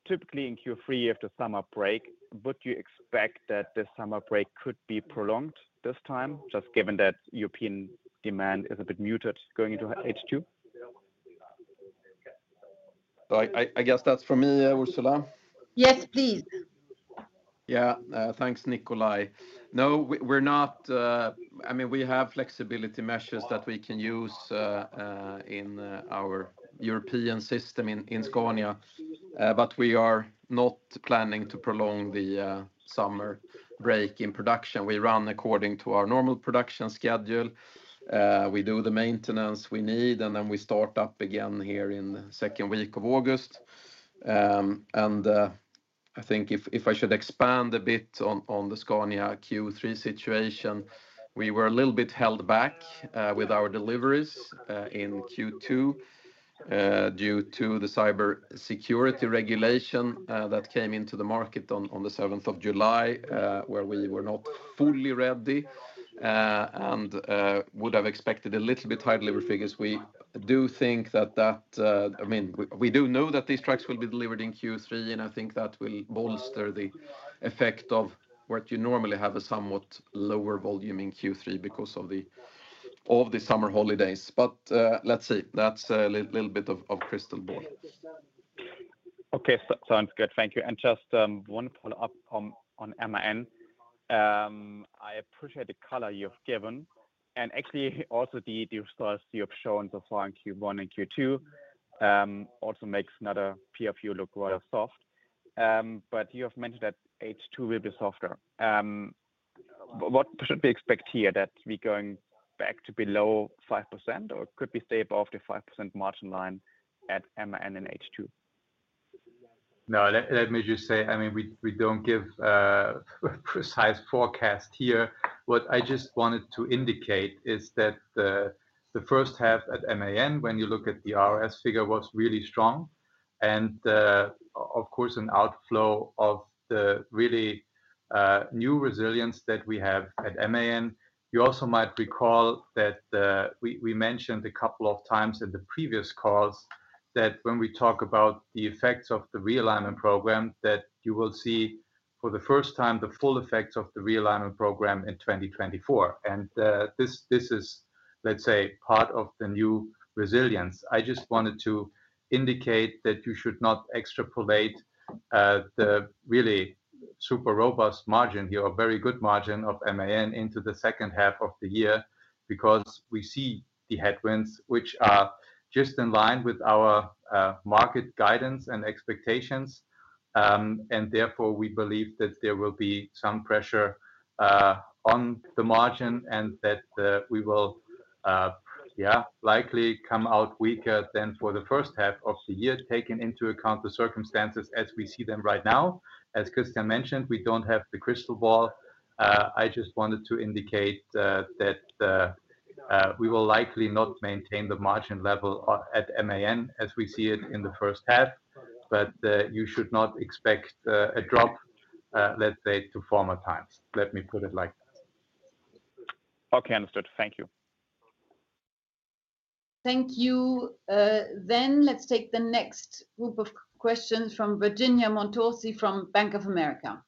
Typically, in Q3, you have the summer break. Would you expect that this summer break could be prolonged this time, just given that European demand is a bit muted going into H2? I guess that's for me, Ursula? Yes, please. Yeah, thanks, Nicolai. No, we're not... I mean, we have flexibility measures that we can use in our European system in Scania, but we are not planning to prolong the summer break in production. We run according to our normal production schedule. We do the maintenance we need, and then we start up again here in the second week of August. And I think if I should expand a bit on the Scania Q3 situation, we were a little bit held back with our deliveries in Q2 due to the Cybersecurity Regulation that came into the market on the 7th of July, where we were not fully ready. And would have expected a little bit higher delivery figures. We do think that that... I mean, we do know that these trucks will be delivered in Q3, and I think that will bolster the effect of what you normally have a somewhat lower volume in Q3 because of the summer holidays. But, let's see. That's a little bit of crystal ball. Okay, sounds good. Thank you. And just, one follow-up on, on MAN. I appreciate the color you've given, and actually, also the details you have shown so far in Q1 and Q2, also makes another PFU look rather soft. But you have mentioned that H2 will be softer. What should we expect here, that we're going back to below 5%, or could we stay above the 5% margin line at MAN and H2? No, let me just say, I mean, we don't give a precise forecast here. What I just wanted to indicate is that the first half at MAN, when you look at the RS figure, was really strong, and, of course, an outflow of the really new resilience that we have at MAN. You also might recall that, we mentioned a couple of times in the previous calls, that when we talk about the effects of the realignment program, that you will see for the first time the full effects of the realignment program in 2024. This is, let's say, part of the new resilience. I just wanted to indicate that you should not extrapolate the really super robust margin here, a very good margin of MAN into the second half of the year, because we see the headwinds, which are just in line with our market guidance and expectations. And therefore, we believe that there will be some pressure on the margin, and that we will likely come out weaker than for the first half of the year, taking into account the circumstances as we see them right now. As Christian mentioned, we don't have the crystal ball. I just wanted to indicate that we will likely not maintain the margin level at MAN as we see it in the first half, but you should not expect a drop, let's say, to former times. Let me put it like that. Okay, understood. Thank you. Thank you. Then, let's take the next group of questions from Virginia Montorsi from Bank of America.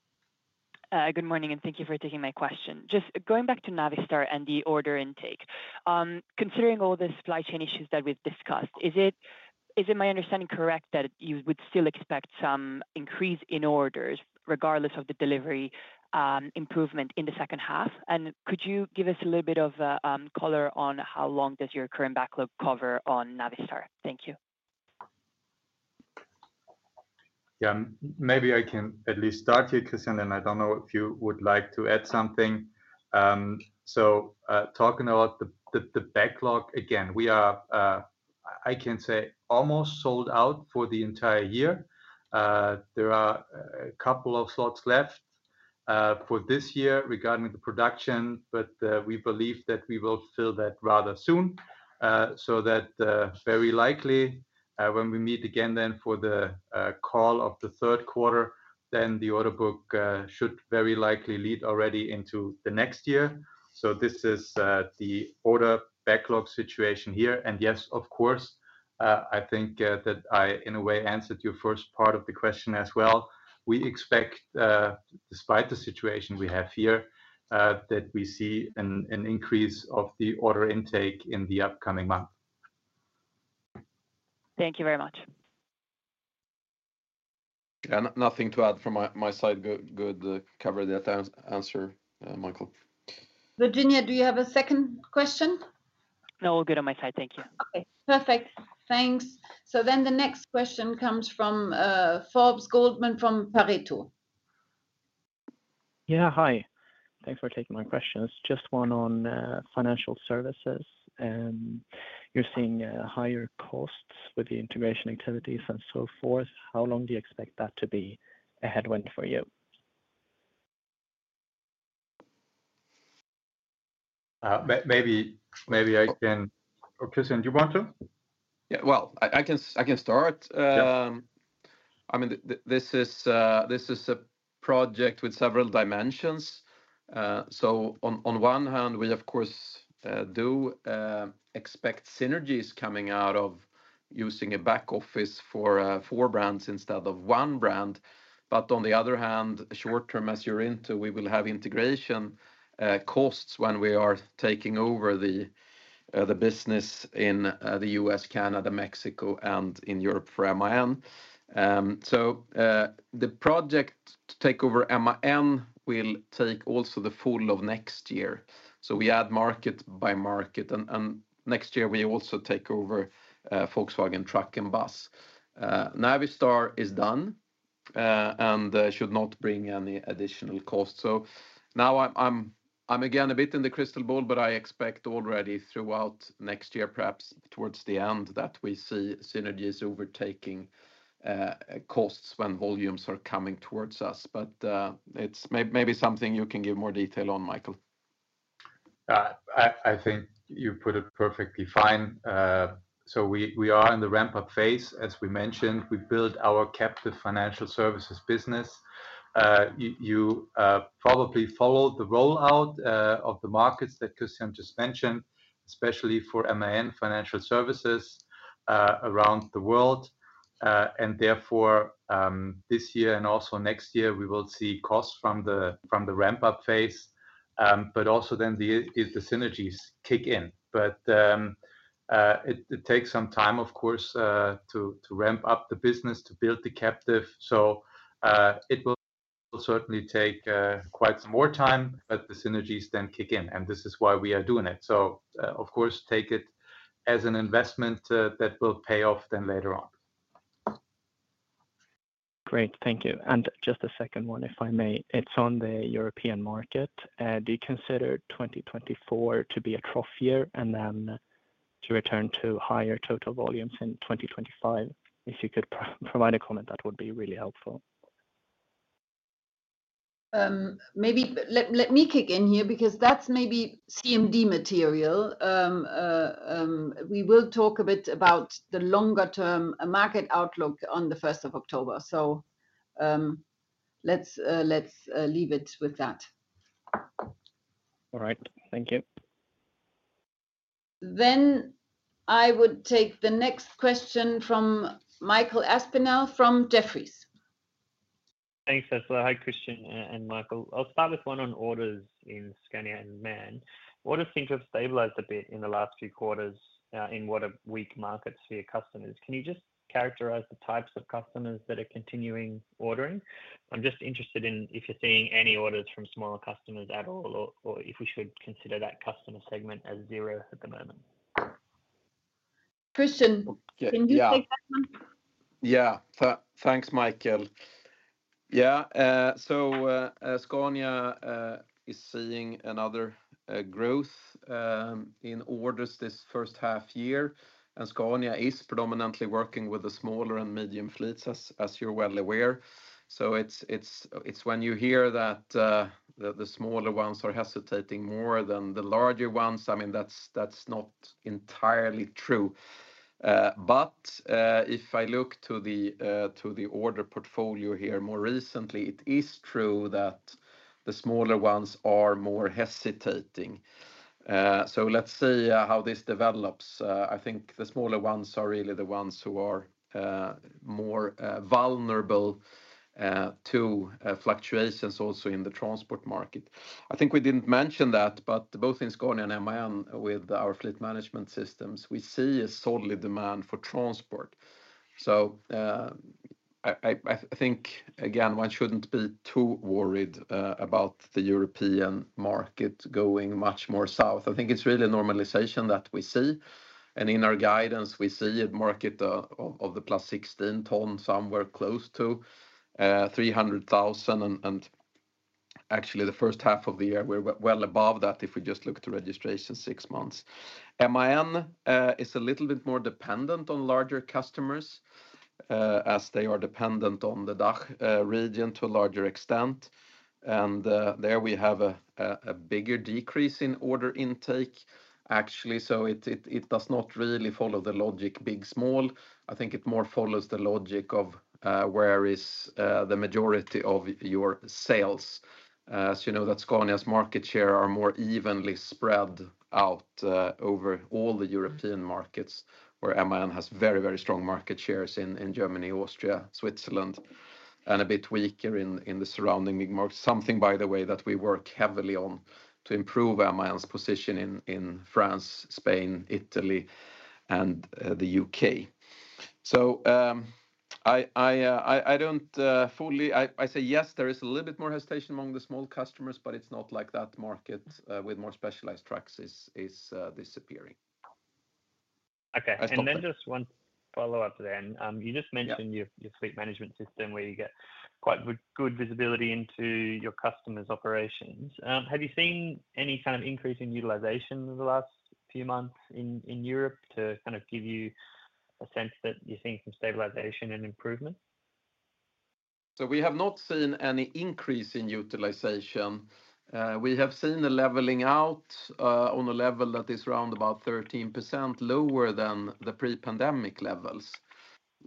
Good morning, and thank you for taking my question. Just going back to Navistar and the order intake, considering all the supply chain issues that we've discussed, is it my understanding correct that you would still expect some increase in orders, regardless of the delivery improvement in the second half? Could you give us a little bit of color on how long does your current backlog cover on Navistar? Thank you. Yeah, maybe I can at least start here, Christian, and I don't know if you would like to add something. So, talking about the backlog, again, we are, I can say, almost sold out for the entire year. There are a couple of slots left for this year regarding the production, but we believe that we will fill that rather soon. So that very likely, when we meet again then for the call of the third quarter, then the order book should very likely lead already into the next year. So this is the order backlog situation here. And yes, of course, I think that I, in a way, answered your first part of the question as well. We expect, despite the situation we have here, that we see an increase of the order intake in the upcoming month. Thank you very much. Yeah, nothing to add from my, my side. Good, good, coverage, answer, Michael. Virginia, do you have a second question? No, we're good on my side. Thank you. Okay, perfect. Thanks. So then the next question comes from, Forbes Goldman from Pareto. Yeah, hi. Thanks for taking my question. It's just one on financial services. You're seeing higher costs with the integration activities and so forth. How long do you expect that to be a headwind for you? Maybe, maybe I can... Or, Christian, do you want to? Yeah, well, I can start. Yeah. I mean, this is a project with several dimensions. So on one hand, we of course do expect synergies coming out of using a back office for four brands instead of one brand. But on the other hand, short term, as you're into, we will have integration costs when we are taking over the business in the U.S., Canada, Mexico, and in Europe for MAN. The project to take over MAN will take also the full of next year, so we add market by market. And next year, we also take over Volkswagen Truck & Bus. Navistar is done and should not bring any additional cost. So now I'm... I'm again a bit in the crystal ball, but I expect already throughout next year, perhaps towards the end, that we see synergies overtaking costs when volumes are coming towards us. But it's maybe something you can give more detail on, Michael. I think you put it perfectly fine. So we are in the ramp-up phase, as we mentioned. We built our Captive Financial Services business. You probably followed the rollout of the markets that Christian just mentioned, especially for MAN Financial Services, around the world. And therefore, this year and also next year, we will see costs from the ramp-up phase. But also then the synergies kick in. But it takes some time, of course, to ramp up the business, to build the Captive. So it will certainly take quite some more time, but the synergies then kick in, and this is why we are doing it. So of course, take it as an investment that will pay off then later on. Great. Thank you. Just a second one, if I may. It's on the European market. Do you consider 2024 to be a trough year and then to return to higher total volumes in 2025? If you could provide a comment, that would be really helpful. Maybe let me kick in here because that's maybe CMD material. We will talk a bit about the longer-term market outlook on the first of October. So, let's leave it with that. All right. Thank you. Then I would take the next question from Michael Aspinall from Jefferies. Thanks, Ursula. Hi, Christian and Michael. I'll start with one on orders in Scania and MAN. Orders seem to have stabilized a bit in the last few quarters in what are weak markets for your customers. Can you just characterize the types of customers that are continuing ordering? I'm just interested in if you're seeing any orders from smaller customers at all, or if we should consider that customer segment as zero at the moment. Christian- Yeah... can you take that one? Yeah. Thanks, Michael. Yeah, so Scania is seeing another growth in orders this first half year, and Scania is predominantly working with the smaller and medium fleets, as you're well aware. So it's when you hear that the smaller ones are hesitating more than the larger ones, I mean, that's not entirely true. But if I look to the order portfolio here more recently, it is true that the smaller ones are more hesitating. So let's see how this develops. I think the smaller ones are really the ones who are more vulnerable to fluctuations also in the transport market. I think we didn't mention that, but both in Scania and MAN, with our fleet management systems, we see a solid demand for transport. So, I think, again, one shouldn't be too worried about the European market going much more south. I think it's really a normalization that we see, and in our guidance, we see a market of the +16 tons, somewhere close to 300,000. And actually, the first half of the year, we're well above that if we just look at the registration six months. MAN is a little bit more dependent on larger customers as they are dependent on the DACH region to a larger extent. And there we have a bigger decrease in order intake, actually. So it does not really follow the logic, big, small. I think it more follows the logic of where is the majority of your sales. So you know that Scania's market share are more evenly spread out over all the European markets, where MAN has very, very strong market shares in Germany, Austria, Switzerland, and a bit weaker in the surrounding big markets. Something, by the way, that we work heavily on to improve MAN's position in France, Spain, Italy, and the U.K. So, I don't fully... I say, yes, there is a little bit more hesitation among the small customers, but it's not like that market with more specialized trucks is disappearing. Okay. I stop there. And then just one follow-up then. You just mentioned- Yeah... your fleet management system, where you get quite good visibility into your customers' operations. Have you seen any kind of increase in utilization over the last few months in Europe to kind of give you a sense that you're seeing some stabilization and improvement? So we have not seen any increase in utilization. We have seen a leveling out on a level that is around about 13% lower than the pre-pandemic levels,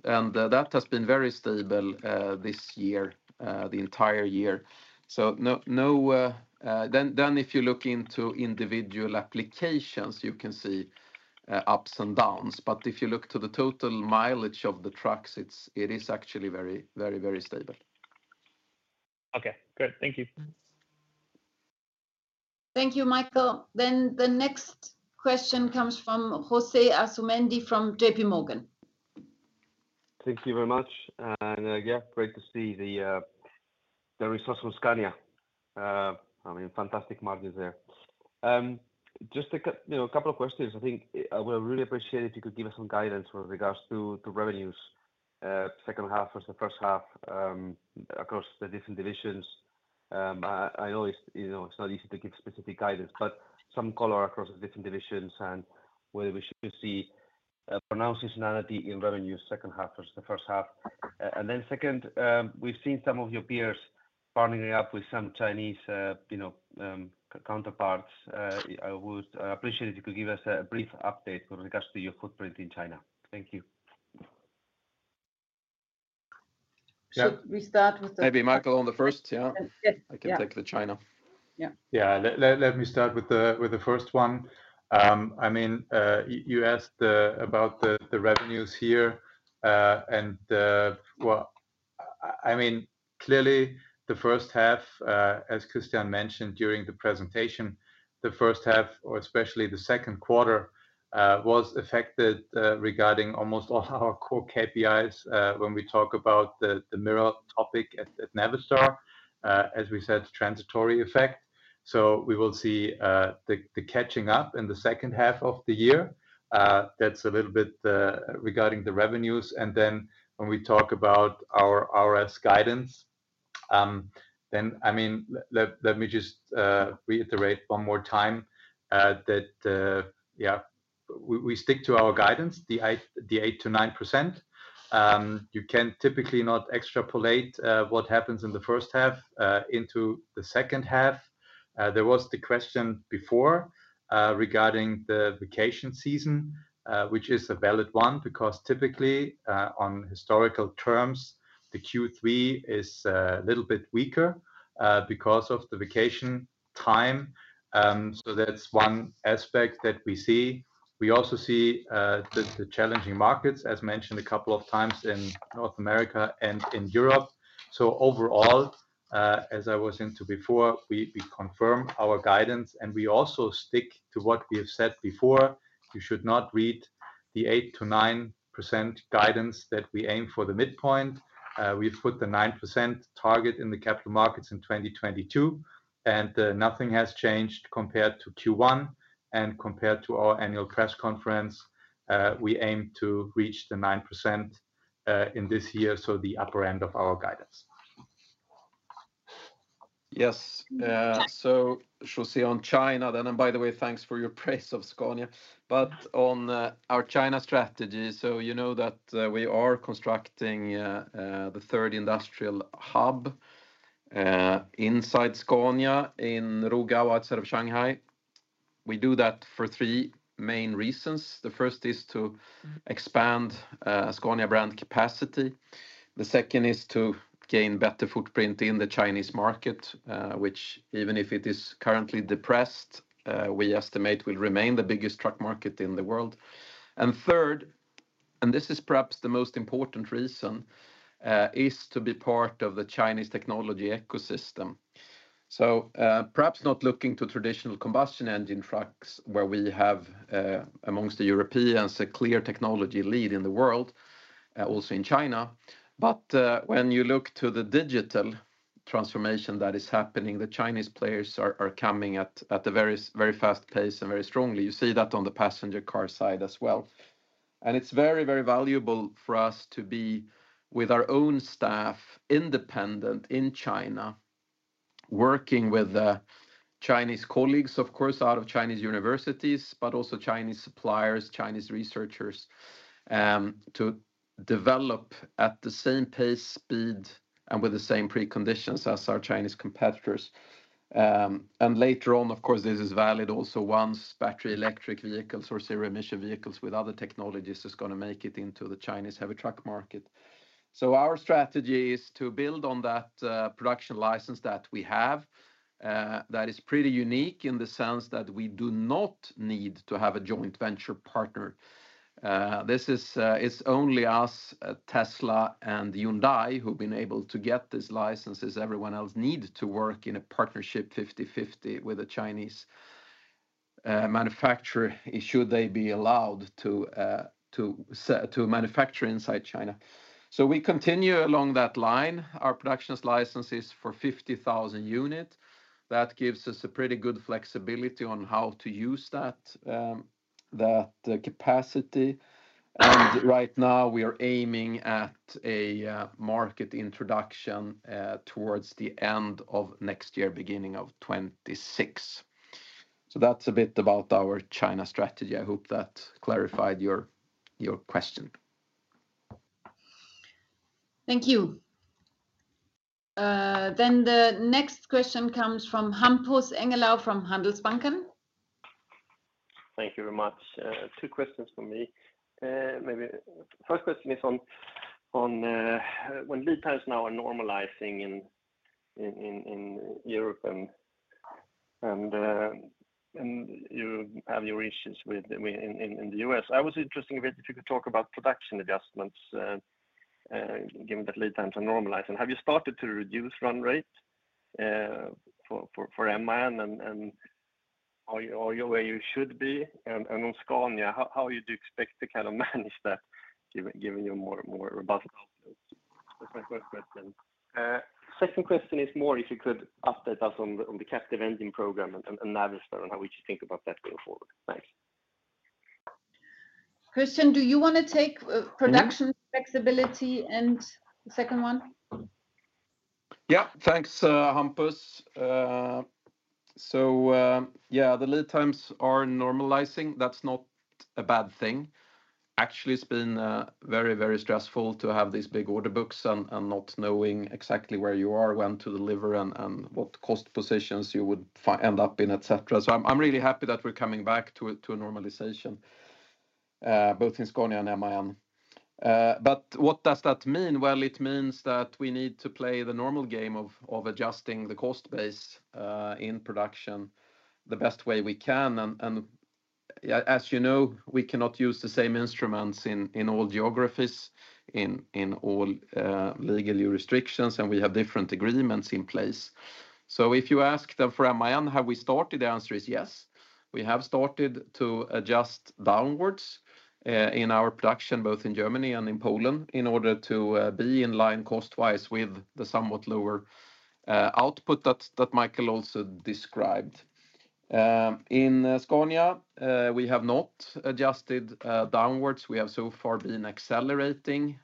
and that has been very stable this year, the entire year. So no, no... If you look into individual applications, you can see ups and downs, but if you look to the total mileage of the trucks, it is actually very, very, very stable. Okay, great. Thank you. Thank you, Michael. The next question comes from Jose Asumendi from JPMorgan. Thank you very much, and, yeah, great to see the resource from Scania. I mean, fantastic margins there.... Just, you know, a couple of questions. I think I would really appreciate if you could give us some guidance with regards to revenues second half versus the first half across the different divisions. I always, you know, it's not easy to give specific guidance, but some color across the different divisions and whether we should see pronounced seasonality in revenue second half versus the first half. And then second, we've seen some of your peers partnering up with some Chinese counterparts. I would appreciate if you could give us a brief update with regards to your footprint in China. Thank you. Yeah. Should we start with the- Maybe Michael, on the first. Yeah. Yes. Yeah. I can take the China. Yeah. Yeah. Let me start with the first one. I mean, you asked about the revenues here. Well, I mean, clearly, the first half, as Christian mentioned during the presentation, the first half, or especially the second quarter, was affected regarding almost all our core KPIs, when we talk about the margin topic at Navistar, as we said, transitory effect. So we will see the catching up in the second half of the year. That's a little bit regarding the revenues. And then when we talk about our ROS guidance, then, I mean, let me just reiterate one more time, that yeah, we stick to our guidance, the 8%-9%. You can typically not extrapolate what happens in the first half into the second half. There was the question before regarding the vacation season, which is a valid one, because typically on historical terms, the Q3 is a little bit weaker because of the vacation time. So that's one aspect that we see. We also see the challenging markets, as mentioned a couple of times in North America and in Europe. So overall, as I was into before, we confirm our guidance, and we also stick to what we have said before. You should not read the 8%-9% guidance that we aim for the midpoint. We've put the 9% target in the capital markets in 2022, and nothing has changed compared to Q1 and compared to our annual press conference. We aim to reach the 9%, in this year, so the upper end of our guidance. Yes. So should we see on China then, and by the way, thanks for your praise of Scania. But on our China strategy, so you know that we are constructing the third industrial hub inside Scania, in Rugao, outside of Shanghai. We do that for three main reasons. The first is to expand Scania brand capacity. The second is to gain better footprint in the Chinese market, which even if it is currently depressed, we estimate will remain the biggest truck market in the world. And third, and this is perhaps the most important reason, is to be part of the Chinese technology ecosystem. So, perhaps not looking to traditional combustion engine trucks, where we have, amongst the Europeans, a clear technology lead in the world, also in China. But when you look to the digital transformation that is happening, the Chinese players are coming at a very, very fast pace and very strongly. You see that on the passenger car side as well. And it's very, very valuable for us to be with our own staff, independent in China, working with Chinese colleagues, of course, out of Chinese universities, but also Chinese suppliers, Chinese researchers, to develop at the same pace, speed, and with the same preconditions as our Chinese competitors. And later on, of course, this is valid also once battery electric vehicles or zero-emission vehicles with other technologies is gonna make it into the Chinese heavy truck market. So our strategy is to build on that production license that we have. That is pretty unique in the sense that we do not need to have a joint venture partner. This is, it's only us, Tesla, and Hyundai who've been able to get these licenses. Everyone else need to work in a partnership, 50/50, with a Chinese manufacturer, should they be allowed to manufacture inside China. So we continue along that line. Our productions license is for 50,000 unit. That gives us a pretty good flexibility on how to use that capacity. And right now, we are aiming at a market introduction towards the end of next year, beginning of 2026. So that's a bit about our China strategy. I hope that clarified your, your question. Thank you. Then the next question comes from Hampus Engellau, from Handelsbanken. Thank you very much. Two questions from me. Maybe first question is on when lead times now are normalizing in Europe and you have your issues with... I mean, in the U.S. I was interested if you could talk about production adjustments given that lead times are normalizing. Have you started to reduce run rate for MAN and are you where you should be? And on Scania, how do you expect to kind of manage that, given your more robust outlook?... That's my first question. Second question is more if you could update us on the captive lending program and Navistar, and how we should think about that going forward. Thanks. Christian, do you wanna take, production- Mm-hmm flexibility and the second one? Yeah, thanks, Hampus. So, yeah, the lead times are normalizing. That's not a bad thing. Actually, it's been very, very stressful to have these big order books and not knowing exactly where you are, when to deliver, and what cost positions you would end up in, et cetera. So I'm really happy that we're coming back to a normalization both in Scania and MAN. But what does that mean? Well, it means that we need to play the normal game of adjusting the cost base in production the best way we can. And, yeah, as you know, we cannot use the same instruments in all geographies, in all legal restrictions, and we have different agreements in place. So if you ask then for MAN, have we started? The answer is yes. We have started to adjust downwards in our production, both in Germany and in Poland, in order to be in line cost-wise with the somewhat lower output that Michael also described. In Scania, we have not adjusted downwards. We have so far been accelerating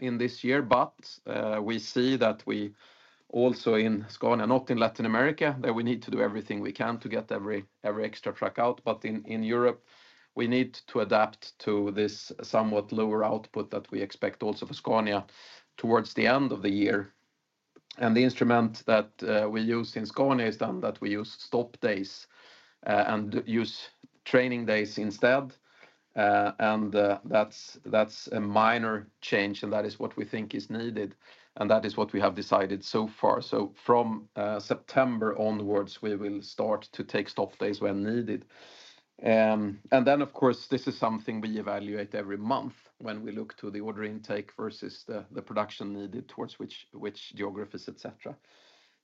in this year, but we see that we also in Scania, not in Latin America, that we need to do everything we can to get every extra truck out. But in Europe, we need to adapt to this somewhat lower output that we expect also for Scania towards the end of the year. And the instrument that we use in Scania is then that we use stop days and use training days instead. That's a minor change, and that is what we think is needed, and that is what we have decided so far. From September onwards, we will start to take stop days when needed. Then of course, this is something we evaluate every month when we look to the order intake versus the production needed towards which geographies, et cetera.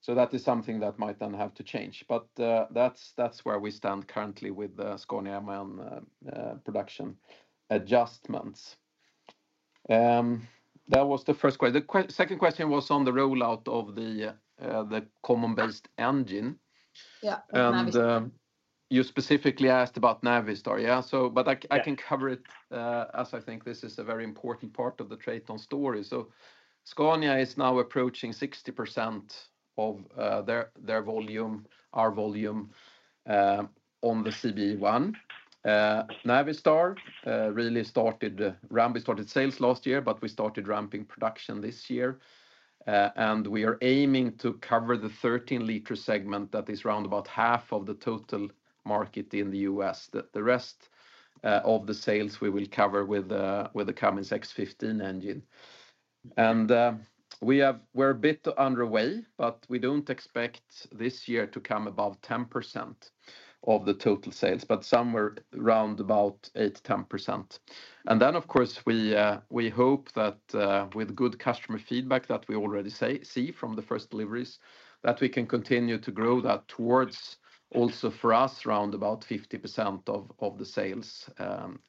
So that is something that might then have to change, but that's where we stand currently with Scania/MAN production adjustments. That was the first question. The second question was on the rollout of the common base engine. Yeah, Navistar. You specifically asked about Navistar, yeah? So but I- Yeah... I can cover it, as I think this is a very important part of the TRATON story. So Scania is now approaching 60% of their, their volume, our volume, on the CBE1. Navistar really started, we started sales last year, but we started ramping production this year. And we are aiming to cover the 13-liter segment that is round about half of the total market in the U.S. The rest of the sales we will cover with the Cummins X15 engine. And we have- we're a bit underway, but we don't expect this year to come above 10% of the total sales, but somewhere round about 8%-10%. Of course, we hope that with good customer feedback that we already see from the first deliveries, that we can continue to grow that towards, also for us, about 50% of the sales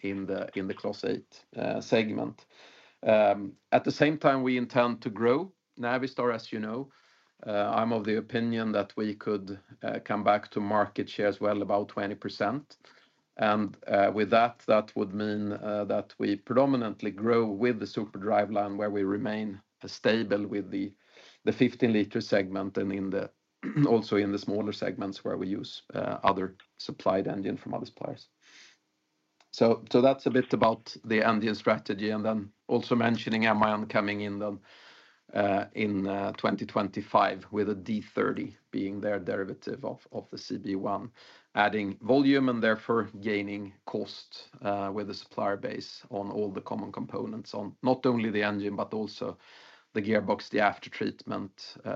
in the Class 8 segment. At the same time, we intend to grow Navistar, as you know. I'm of the opinion that we could come back to market share as well, about 20%. With that, that would mean that we predominantly grow with the Super driveline, where we remain stable with the 15-liter segment, and also in the smaller segments, where we use other supplied engine from other suppliers. So that's a bit about the engine strategy, and then also mentioning MAN coming in then in 2025, with a D30 being their derivative of the CBE1, adding volume and therefore gaining cost with the supplier base on all the common components on not only the engine, but also the gearbox, the aftertreatment,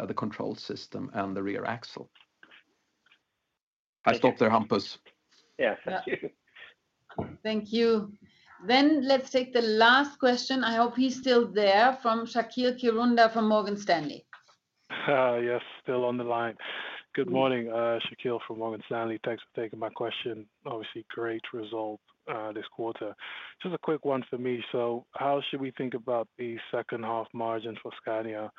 the control system and the rear axle. Thank you. I stop there, Hampus. Yeah. Thank you. Thank you. Then, let's take the last question, I hope he's still there, from Shaqeal Kirunda from Morgan Stanley. Yes, still on the line. Good morning, Shaqeal from Morgan Stanley. Thanks for taking my question. Obviously, great result, this quarter. Just a quick one for me: so how should we think about the second half margins for Scania?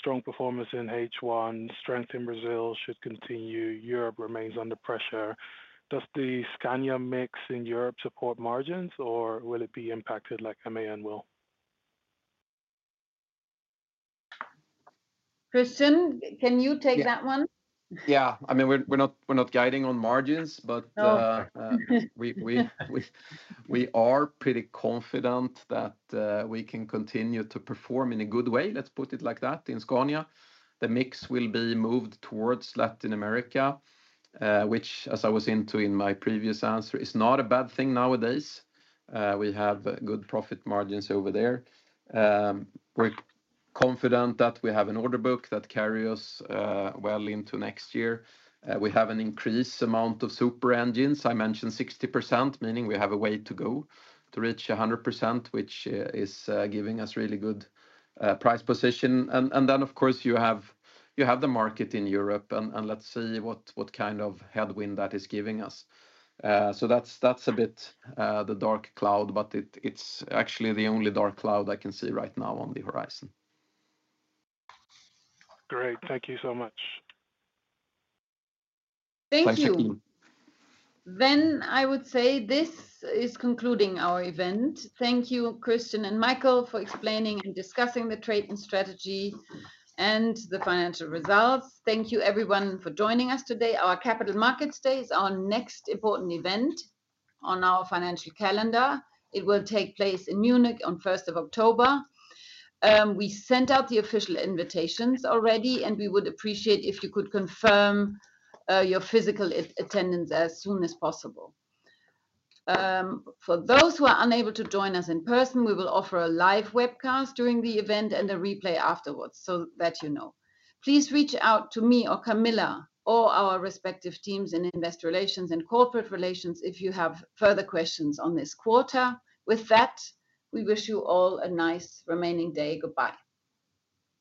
Strong performance in H1, strength in Brazil should continue, Europe remains under pressure. Does the Scania mix in Europe support margins, or will it be impacted like MAN will? Christian, can you take that one? Yeah. I mean, we're not guiding on margins, but- No.... we are pretty confident that we can continue to perform in a good way, let's put it like that, in Scania. The mix will be moved towards Latin America, which, as I was into in my previous answer, is not a bad thing nowadays. We have good profit margins over there. We're confident that we have an order book that carry us well into next year. We have an increased amount of super engines. I mentioned 60%, meaning we have a way to go to reach 100%, which is giving us really good price position. And then, of course, you have the market in Europe, and let's see what kind of headwind that is giving us. So that's a bit the dark cloud, but it's actually the only dark cloud I can see right now on the horizon. Great. Thank you so much. Thank you. Thanks, Shaqeal. I would say this is concluding our event. Thank you, Christian and Michael, for explaining and discussing the TRATON strategy and the financial results. Thank you everyone for joining us today. Our capital markets day is our next important event on our financial calendar. It will take place in Munich on 1st of October. We sent out the official invitations already, and we would appreciate if you could confirm your physical attendance as soon as possible. For those who are unable to join us in person, we will offer a live webcast during the event and a replay afterwards, so that you know. Please reach out to me or Camilla, or our respective teams in Investor Relations and Corporate Relations if you have further questions on this quarter. With that, we wish you all a nice remaining day. Goodbye.